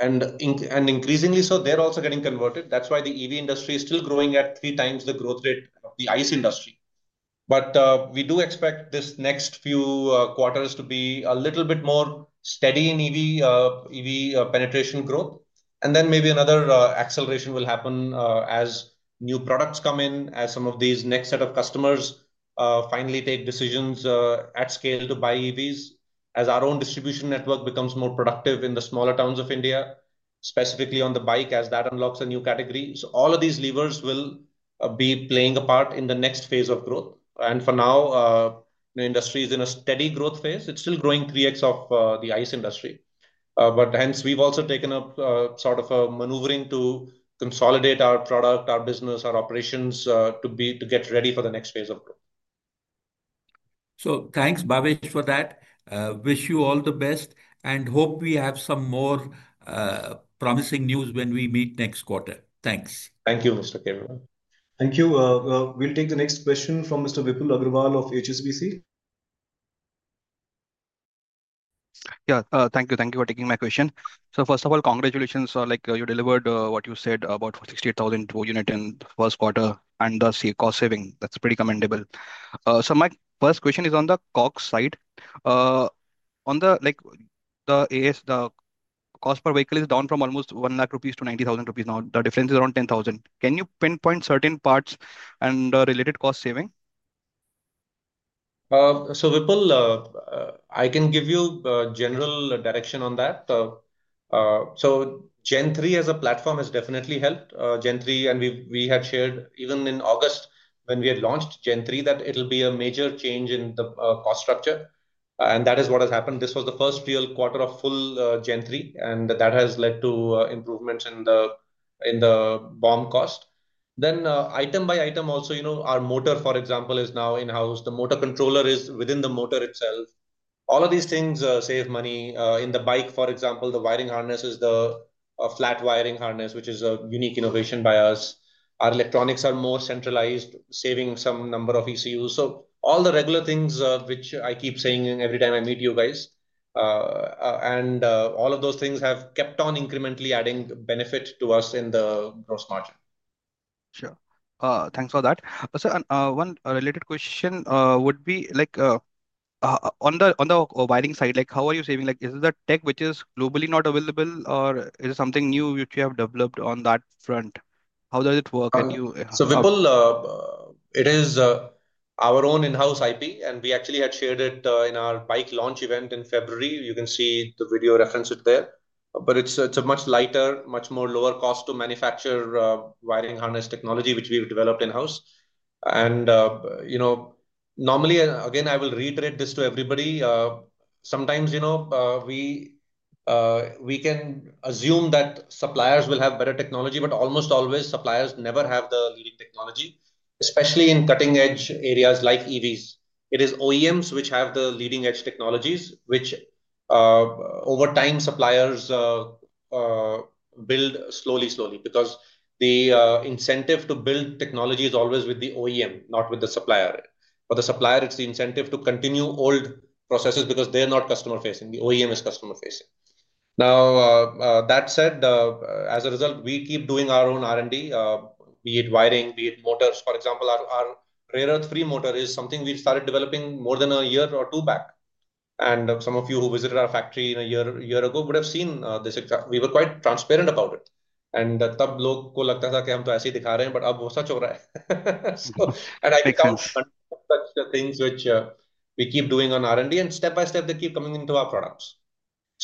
and increasingly so they're also getting converted. That is why the EV industry is still growing at 3x the growth rate of the ICE industry. We do expect this next few quarters to be a little bit more steady in EV penetration growth and then maybe another acceleration will happen as new products come in as some of these next set of customers finally take decisions at scale to buy EVs as our own distribution network becomes more productive in the smaller towns of India, specifically on the bike, as that unlocks a new category. All of these levers will be playing a part in the next phase of growth. For now, the industry is in a steady growth phase. It is still growing 3x of the ICE industry. Hence, we've also taken up sort of a maneuvering to consolidate our product, our business, our operations to get ready for the next phase of growth. Thanks, Bhavish, for that. Wish you all the best and hope we have some more promising news when we meet next quarter. Thanks. Thank you, Mr. Kejriwal. Thank you. We'll take the next question from Mr. Vipul Agrawal of HSBC. Thank you. Thank you for taking my question. First of all, congratulations. You delivered what you said about 68,000 units in the first quarter and the cost saving, that's pretty commendable. My first question is on the COGS side, as the cost per vehicle is down from almost 100,000-90,000 rupees, now the difference is around 10,000. Can you pinpoint certain parts and related cost saving? Vipul, I can give you general direction on that. Gen 3 as a platform has definitely helped Gen 3, and we had shared even in August when we had launched Gen 3 that it'll be a major change in the cost structure. That is what has happened. This was the first real quarter of full Gen 3, and that has led to improvements in the BOM cost item by item. Also, our Motor, for example, is now in-house. The motor controller is within the Motor itself. All of these things save money in the bike. For example, the wiring harness is the flat wiring harness, which is a unique innovation by us. Our electronics are more centralized, saving some number of ECUs. All the regular things which I keep saying every time I meet you guys, and all of those things have kept on incrementally adding benefit to us in the gross margin. Sure, thanks for that. One related question would be on the wiring side, like how are you saving? Is the tech which is globally not available or is it something new which you have developed on that front? How does it work? Vipul, it is our own in-house IP and we actually had shared it in our bike launch event in February. You can see the video reference it there. It's a much lighter, much more lower cost to manufacture wiring harness technology which we've developed in-house. Normally, again, I will reiterate this to everybody. Sometimes, you know, we can assume that suppliers will have better technology. Almost always suppliers never have the leading technology, especially in cutting edge areas like EVs. It is OEMs which have the leading edge technologies which over time suppliers build slowly, slowly because the incentive to build technology is always with the OEM, not with the supplier. For the supplier, it's the incentive to continue old processes because they're not customer facing. The OEM is customer facing. That said, as a result, we keep doing our own R&D, be it wiring, be it motors. For example, our rare earth free motor is something we've started developing more than a year or two back. Some of you who visited our factory a year ago would have seen this. We were quite transparent about it, things which we keep doing on R&D and step-by-step they keep coming into our products.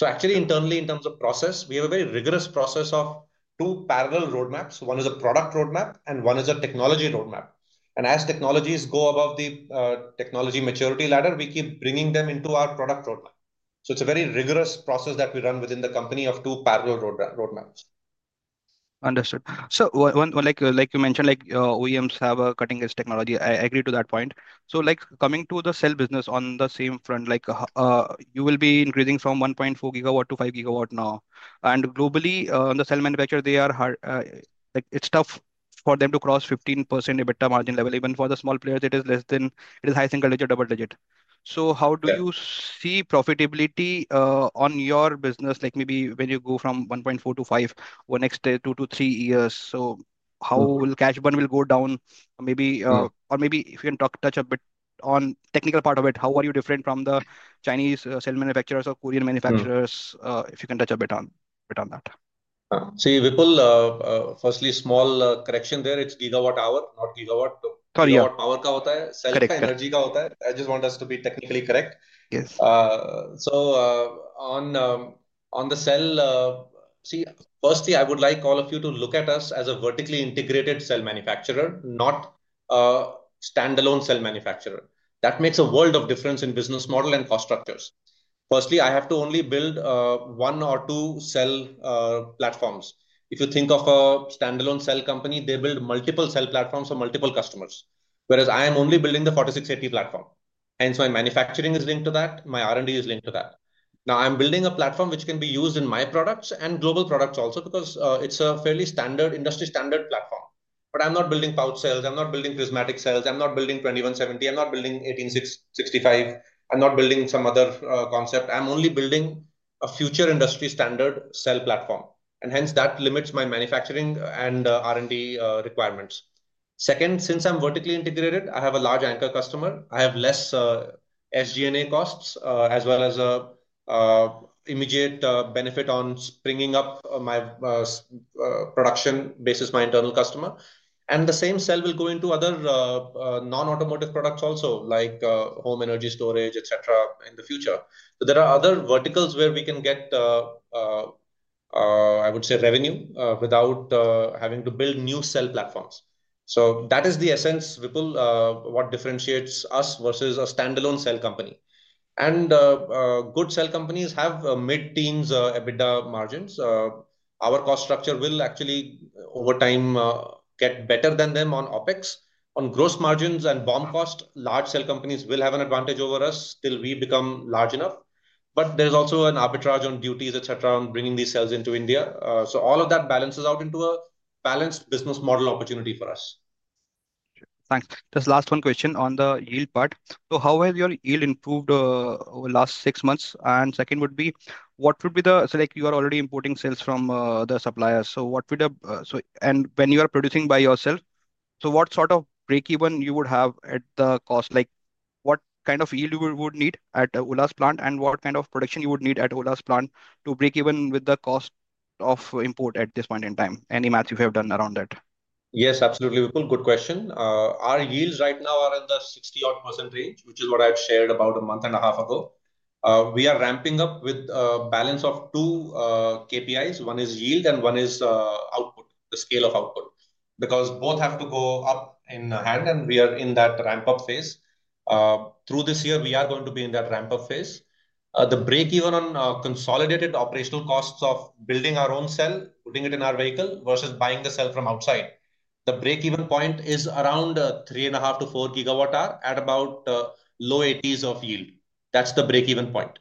Actually, internally in terms of process, we have a very rigorous process of two parallel roadmaps. One is a product roadmap and one is a technology roadmap. As technologies go above the technology maturity ladder, we keep bringing them into our product roadmap. It's a very rigorous process that we run within the company of two parallel roadmaps. Understood. Like you mentioned, OEMs have a cutting edge technology. I agree to that point. Coming to the cell business on the same front, you will be increasing from 1.4 GW to 5 GW now, and globally on the cell manufacturer, it's tough for them to cross 15% EBITDA margin level. Even for the small players, it is less than, it is high single digit, double digit. How do you see profitability on your business, maybe when you go from 1.4 GW to 5 GW or next two to three years? How will cash burn go down? Maybe if you can touch a bit on technical part of it. How are you different from the Chinese cell manufacturers or Korean manufacturers? If you can touch a bit on that. See Vipul, firstly, small correction there, it's gigawatt hour, not gigawatt. I just want us to be technically correct. Yes. On the cell, firstly, I would like all of you to look at us as a vertically integrated cell manufacturer, not a standalone cell manufacturer. That makes a world of difference in business model and cost structures. Firstly, I have to only build one or two cell platforms. If you think of a standalone cell company, they build multiple cell platforms for multiple customers, whereas I am only building the 4680 platform. Hence, my manufacturing is linked to that. My R&D is linked to that. Now, I'm building a platform which can be used in my products and global products also because it's a fairly standard industry standard platform. I'm not building pouch cells, I'm not building prismatic cells, I'm not building 2170, I'm not building 1865, I'm not building some other concept. I'm only building a future industry standard cell platform, and hence that limits my manufacturing and R&D requirements. Second, since I'm vertically integrated, I have a large anchor customer, I have less SG&A costs as well as an immediate benefit on springing up my production basis, my internal customer. The same cell will go into other non-automotive products also, like Home Energy Storage, etc. There are other verticals where we can get, I would say, revenue without having to build new cell platforms. That is the essence. Vipul, what differentiates us versus a standalone cell company? Good cell companies have mid-teens EBITDA margins. Our cost structure will actually, over time, get better than them on OpEx, on gross margins, and BOM cost. Large cell companies will have an advantage over us till we become large enough. There's also an arbitrage on duties, etc., on bringing these cells into India. All of that balances out into a balanced business model opportunity for us. Thanks. Just last one question on the yield part. How has your yield improved over the last six months? What would be the select? You are already importing sales from the suppliers, so when you are producing by yourself, what sort of breakeven would you have at the cost? What kind of yield would you need at Ola's plant and what kind of production would you need at Ola's plant to break even with the cost of import at this point in time? Any math you have done around that? Yes, absolutely. Good question. Our yields right now are in the 60% range, which is what I've shared about a month and a half ago. We are ramping up with a balance of two KPIs. One is yield and one is output, the scale of output, because both have to go up in hand. We are in that ramp up phase through this year. We are going to be in that ramp up phase. The break even on consolidated operational costs of building our own cell, putting it in our vehicle versus buying the cell from outside, the breakeven point is around 3.5 GWh-4 GWh at about low 80% of yield. That's the breakeven point.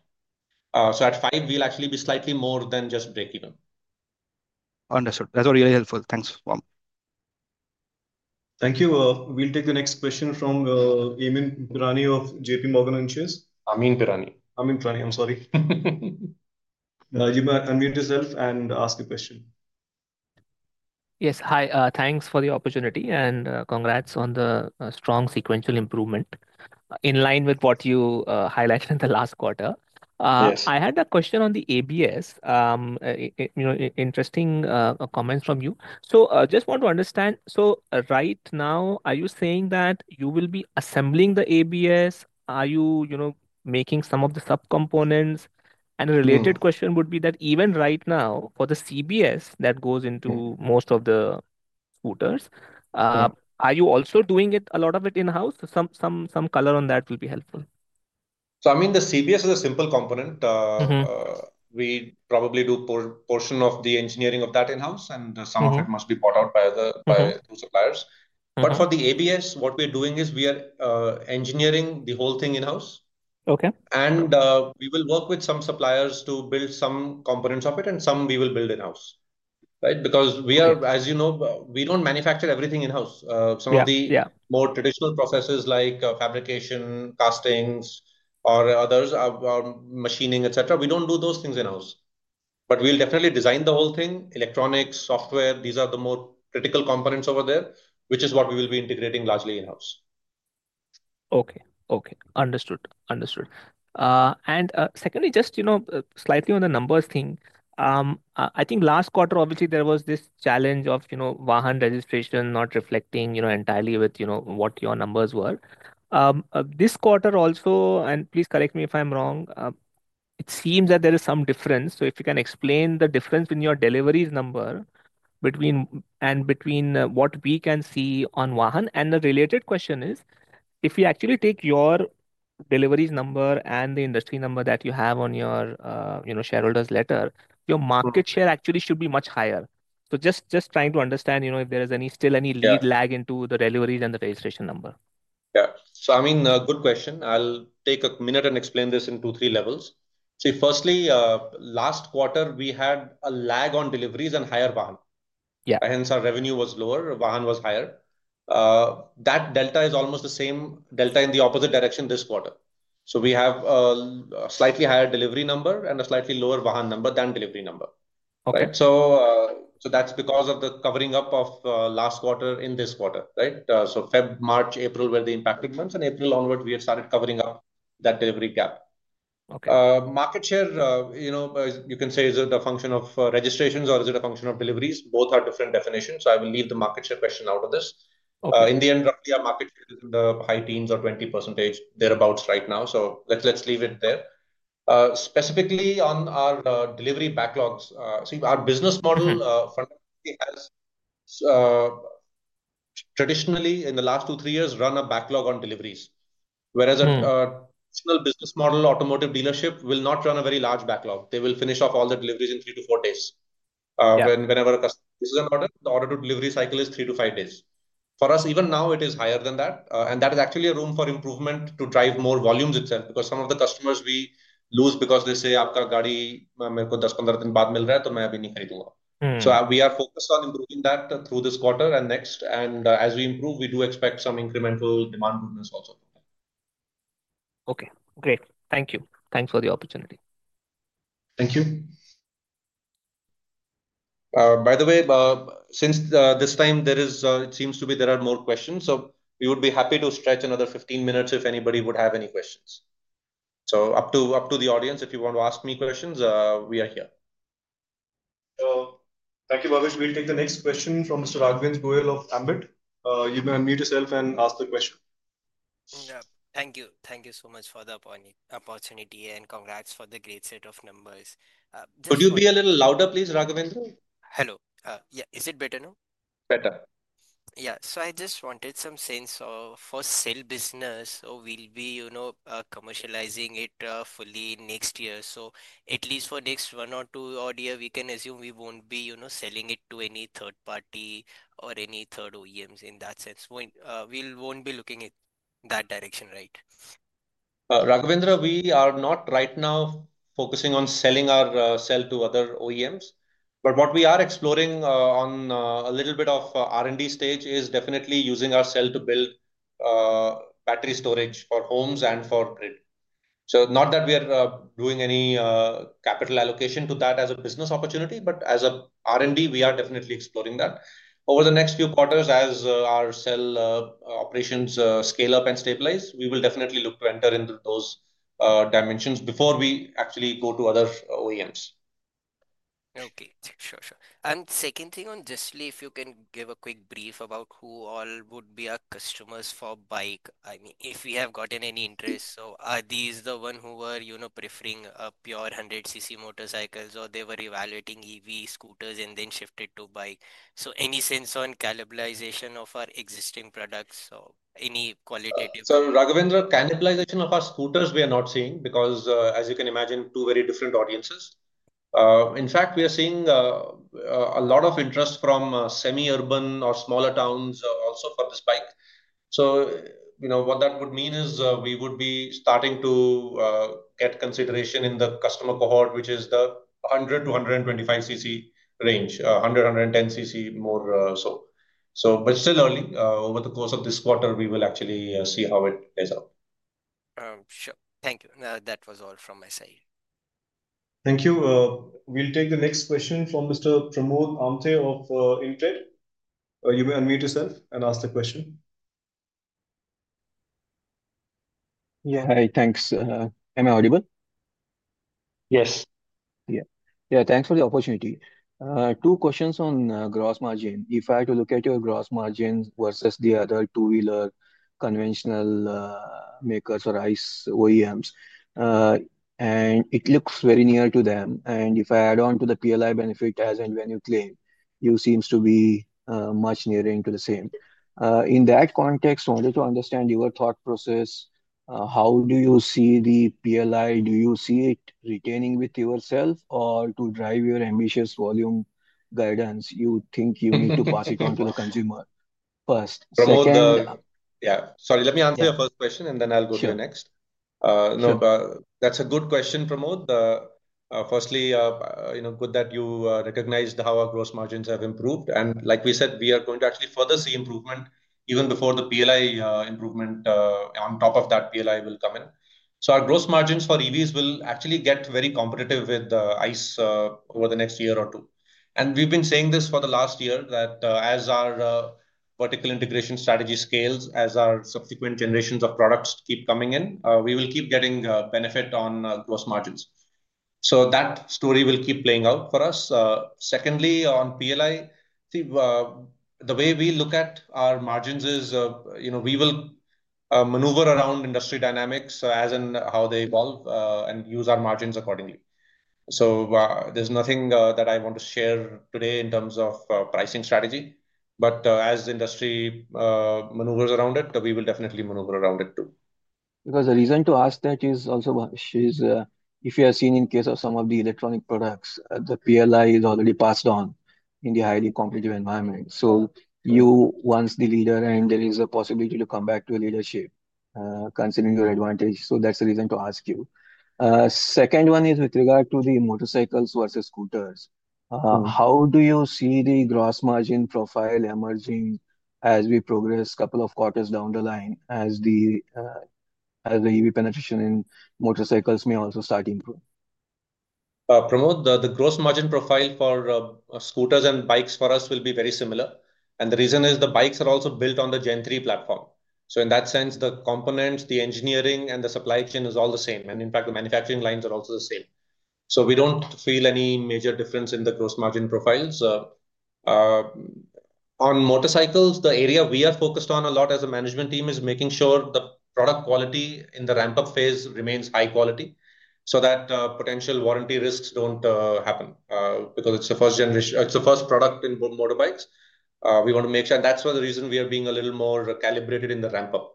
At 5 GWh, we will actually be slightly more than just breakeven. Understood. That's all really helpful. Thanks. Thank you. We'll take the next question from Amyn Pirani of JPMorganChase. I'm sorry, you might unmute yourself and ask a question. Yes. Hi. Thanks for the opportunity and congrats on the strong sequential improvement in line with what you highlighted in the last quarter. I had a question on the ABS. Interesting comments from you. I just want to understand, right now are you saying that you will be assembling the ABS? Are you making some of the sub components? A related question would be that even right now for the CBS that goes into most of the scooters, are you also doing a lot of it in-house? Some color on that will be helpful. The CBS is a simple component. We probably do portion of the engineering of that in-house, and some of it must be bought out by two suppliers. For the ABS, what we're doing is we are engineering the whole thing in-house. Okay. We will work with some suppliers to build some components of it, and some we will build in-house. As you know, we don't manufacture everything in-house. Some of the more traditional processes like fabrication, castings, or others, machining, etc., we don't do those things in-house, but we'll definitely design the whole thing. Electronics and software, these are the more critical components over there, which is what we will be integrating largely in-house. Okay, understood. Secondly, just, you know, slightly on the numbers thing. I think last quarter obviously there was this challenge of, you know, Vahan registration not reflecting, you know, entirely with, you know, what your numbers were this quarter also, and please correct me if I'm wrong, it seems that there is some difference. If you can explain the difference in your deliveries number between and between what we can see on Vahan and the related question is if you actually take your deliveries number and the industry number that you have on your, you know, shareholders letter, your market share actually should be much higher. Just trying to understand, you know, if there is any, still any lead lag into the deliveries and the registration number. Yeah, good question. I'll take a minute and explain this in two, three levels. Firstly, last quarter we had a lag on deliveries and higher. Hence our revenue was lower. Vahan was higher. That delta is almost the same delta in the opposite direction this quarter. We have a slightly higher delivery number and a slightly lower Vahan number than delivery number. That's because of the covering up of last quarter in this quarter. February, March, April were the impacted months and April onward we have started covering up that delivery gap. Okay. Market share, you know, you can say is it a function of registrations or is it a function of deliveries? Both are different definitions. I will leave the market share question out of this. In the end, roughly our market share in the high teens or 20% thereabouts right now. Let's leave it there. Specifically on our delivery backlogs, our business model has traditionally in the last two, three years run a backlog on deliveries. Whereas a Business Model Automotive dealership will not run a very large backlog, they will finish off all the deliveries in three to four days. Whenever a customer places an order, the order to delivery cycle is three to five days. For us, even now it is higher than that, and that is actually a room for improvement to drive more volumes itself because some of the customers, we lose because they say so. We are focused on improving that through this quarter and next. As we improve, we do expect some incremental demand goodness also. Okay, great. Thank you. Thanks for the opportunity. Thank you. By the way, since this time there are more questions, we would be happy to stretch another 15 minutes if anybody would have any questions. It's up to the audience. If you want to ask me questions, we are here. Thank you, Bhavish. We'll take the next question from Mr. Raghvendra Goyal of Ambit. You may unmute yourself and ask the question. Thank you. Thank you so much for the opportunity, and congrats for the great set of numbers. Would you be a little louder, please? Raghavendra? Hello. Is it better now? Better. yeah. I just wanted some sense of for cell business. We'll be, you know, commercializing it fully next year. At least for next one or two odd year we can assume we won't be, you know, selling it to any third party or any third OEMs. In that sense, we won't be looking at that direction. Right. Raghvendra, we are not right now focusing on selling our cell to other OEMs. What we are exploring on a little bit of R&D stage is definitely using our cell to build battery storage for homes and for grid. Not that we are doing any capital allocation to that as a business opportunity, but as R&D, we are definitely exploring that over the next few quarters as our cell operations scale up and stabilize. We will definitely look to enter into those dimensions before we actually go to other OEMs. Okay, sure. Second thing, if you can give a quick brief about who all would be our customers for bike. I mean, if we have gotten any interest, are these the ones who were preferring a pure 100cc motorcycle or they were evaluating EV scooters and then shifted to bike? Any sense on cannibalization of our existing products or any qualitative? Our scooters, we are not seeing because as you can imagine, two very different audiences. In fact, we are seeing a lot of interest from semi-urban or smaller towns also for this bike. What that would mean is we would be starting to get consideration in the customer cohort which is the 100-125 cc range, 110 cc more so. It is still early; over the course of this quarter, we will actually see how it plays out. Sure. Thank you. That was all from my side. Thank you. We'll take the next question from Mr. Pramod Amte of InCred. You may unmute yourself and ask the question. Yeah, hi. Thanks. Am I audible? Yes. Yeah. Yeah. Thanks for the opportunity. Two questions on gross margin. If I had to look at your gross margin versus the other two-wheeler conventional makers or ICE OEMs, it looks very near to them. If I add on to the PLI benefit as and when you claim, you seem to be much nearer into the same in that context. Wanted to understand your thought process. How do you see the PLI? Do you see it retaining with yourself, or to drive your ambitious volume guidance, you think you need to pass it on to the consumer first? Yeah, sorry, let me answer your first question and then I'll go to the next. That's a good question, Pramod. Firstly, you know, good that you recognized how our gross margins have improved. Like we said, we are going to actually further see improvement even before the PLI improvement. On top of that, PLI will come in. Our gross margins for EVs will actually get very competitive with ICE over the next year or two. We've been saying this for the last year that as our vertical integration strategy scales, as our subsequent generations of products keep coming in, we will keep getting benefit on gross margins. That story will keep playing out for us. Secondly, on PLI, the way we look at our margins is we will maneuver around industry dynamics as in how they evolve and use our margins accordingly. There's nothing that I want to share today in terms of pricing strategy, but as industry maneuvers around it, we will definitely maneuver around it too. The reason to ask that is also if you have seen in case of some of the electronic products, the PLI is already passed on in the highly competitive environment. Once the leader, and there is a possibility to come back to a leadership considering your advantage. That's the reason to ask you. The second one is with regard to the motorcycles versus scooters, how do you see the gross margin profile emerging as we progress a couple of quarters down the line as the EV penetration in motorcycles may also start improving. The gross margin profile for scooters and bikes for us will be very similar. The reason is the bikes are also built on the Gen 3 platform. In that sense, the components, the engineering, and the supply chain are all the same. In fact, the manufacturing lines are also the same. We don't feel any major difference in the gross margin profiles on motorcycles. The area we are focused on a lot as a management team is making sure the product quality in the ramp up phase remains high quality so that potential warranty risks don't happen. Because it's the first generation, it's the first product in motorbikes, we want to make sure that's the reason we are being a little more calibrated in the ramp up.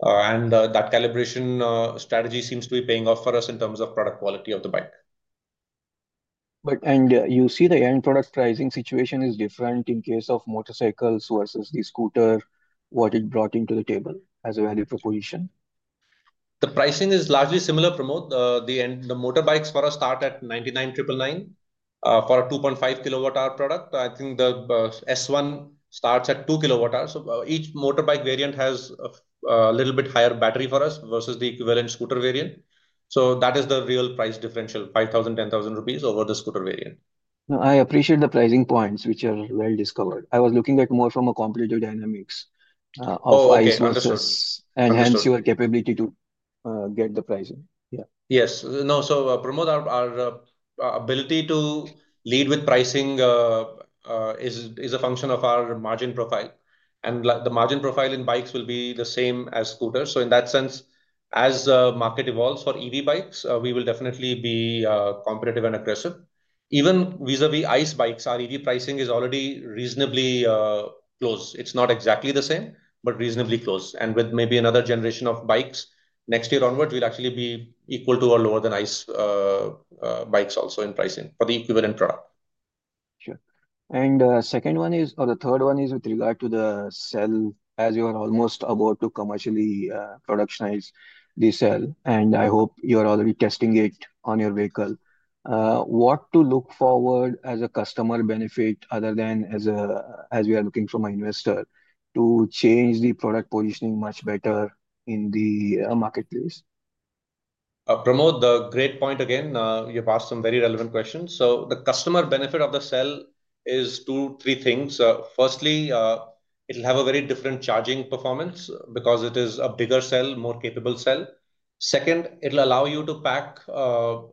That calibration strategy seems to be paying off for us in terms of product quality of the bike. You see the end product pricing situation is different in case of motorcycles versus the scooter, what is brought into the table as a value proposition. The pricing is largely similar. Pramod, the motorbikes for a start at 99,999 for a 2.5 kWh product. I think the S1 starts at 2 kWh. Each motorbike variant has a little bit higher battery for us versus the equivalent scooter variant. That is the real price differential, 5,000, 10,000 rupees over the scooter variant. I appreciate the pricing points, which are well discovered. I was looking at more from a competitive dynamics, enhance your capability to get the pricing. Yeah. Yes. Pramod, our ability to lead with pricing is a function of our margin profile. The margin profile in bikes will be the same as scooters. In that sense, as the market evolves for EV bikes, we will definitely be competitive and aggressive even vis-à-vis ICE bikes. Our EV pricing is already reasonably close. It's not exactly the same, but reasonably close. With maybe another generation of bikes next year onward, we will actually be equal to or lower than ICE bikes also in pricing for the equivalent product. Sure. The third one is with regard to the cell, as you are almost about to commercially productionize the cell and I hope you are already testing it on your vehicle. What to look forward as a customer benefit other than as we are looking from an investor to change the product positioning much better in the marketplace. Pramod, great point again, you've asked some very relevant questions. The customer benefit of the cell is two, three things. Firstly, it'll have a very different charging performance because it is a bigger cell, more capable cell. Second, it'll allow you to pack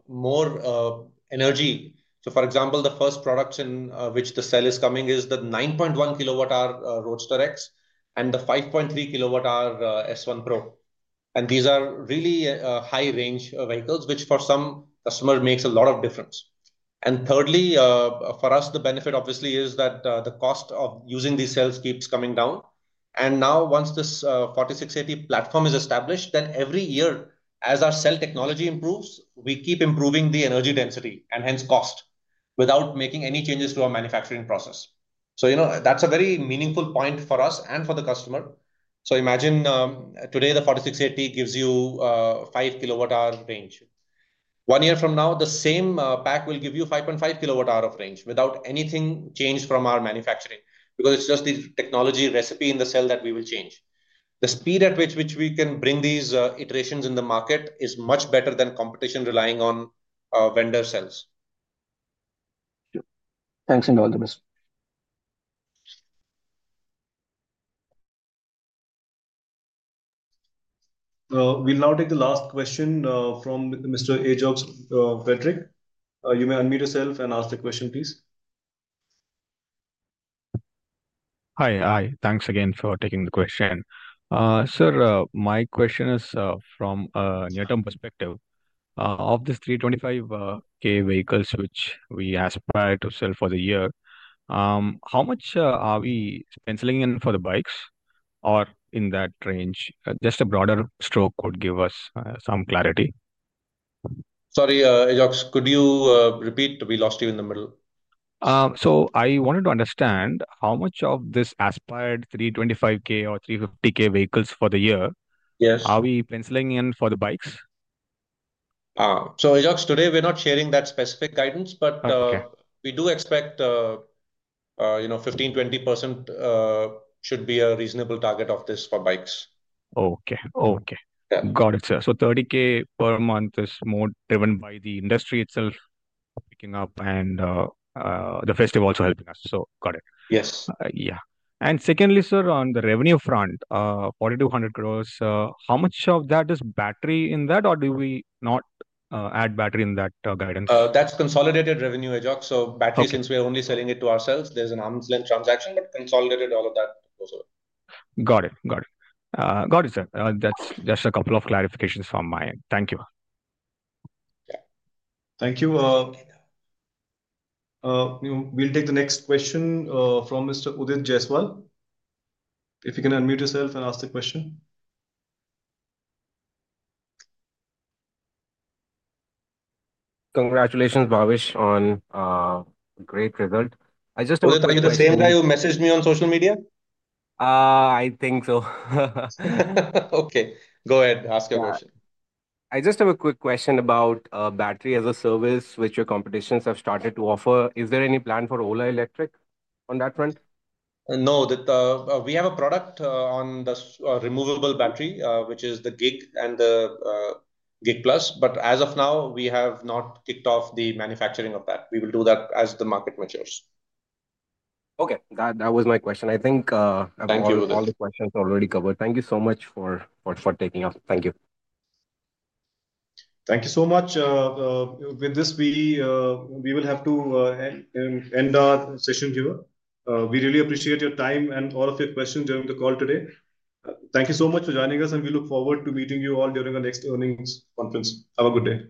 more energy. For example, the first product in which the cell is coming is the 9.1 kWh Roadster X and the 5.3 kWh S1 Pro. These are really high range vehicles which for some customer makes a lot of difference. Thirdly for us, the benefit obviously is that the cost of using these cells keeps coming down. Now once this 4680 platform is established, every year as our cell technology improves, we keep improving the energy density and hence cost without making any changes to our manufacturing process. That's a very meaningful point for us and for the customer. Imagine today the 4680 gives you 5 kWh range. One year from now the same pack will give you 5.5 kWh of range without anything changing from our manufacturing because it's just the technology recipe in the cell that we will change. The speed at which we can bring these iterations in the market is much better than competition relying on vendor cells. Thanks and all the best. We'll now take the last question from Mr. Ajox Frederick, you may unmute yourself and ask the question, please. Hi. Thanks again for taking the question. Sir, my question is from a near term perspective of this 325,000 vehicles which we aspire to sell for the year, how much are we penciling in for the bikes or in that range? Just a broader stroke would give us some clarity. Sorry Ajox, could you repeat? We lost you in the middle. I wanted to understand how much of this aspired 325,000 or 350,000 vehicles for the year. Yes. Are we penciling in for the bikes? Ajax, today we're not sharing that specific guidance, but we do expect 15%, 20% should be a reasonable target of this for bikes. Okay. Okay. Got it, sir. 30,000 per month is more driven by the industry itself picking up and the festival also helping us. Got it. Yes. Yeah. Secondly, sir, on the revenue front, 4,200 crore. How much of that is battery in that? Or do we not add battery in that guidance? That's consolidated revenue Ajox. Since we're only selling the battery to ourselves, there's an arm's length transaction. Consolidated all of that. Got it. Got it. Got it. Sir, that's just a couple of clarifications from my end. Thank you. Thank you. You will take the next question from Mr. [Udit Jaiswal]. If you can unmute yourself and ask the question. Congratulations Bhavish on great result. I just. Are you the same guy who messaged me on social media? I think so. Okay, go ahead, ask your question. I just have a quick question about Battery as a Service which your competitors have started to offer. Is there any plan for Ola Electric on that front? No. We have a product on the removable battery which is the Gig and the Gig+. As of now we have not kicked off the manufacturing of that. We will do that as the market matures. Okay. That was my question, I think. Thank you. All the questions. Already covered. Thank you so much for taking up. Thank you. Thank you so much. With this, we will have to end our session here. We really appreciate your time and all of your questions during the call today. Thank you so much for joining us, and we look forward to meeting you all during our next earnings conference. Have a good day.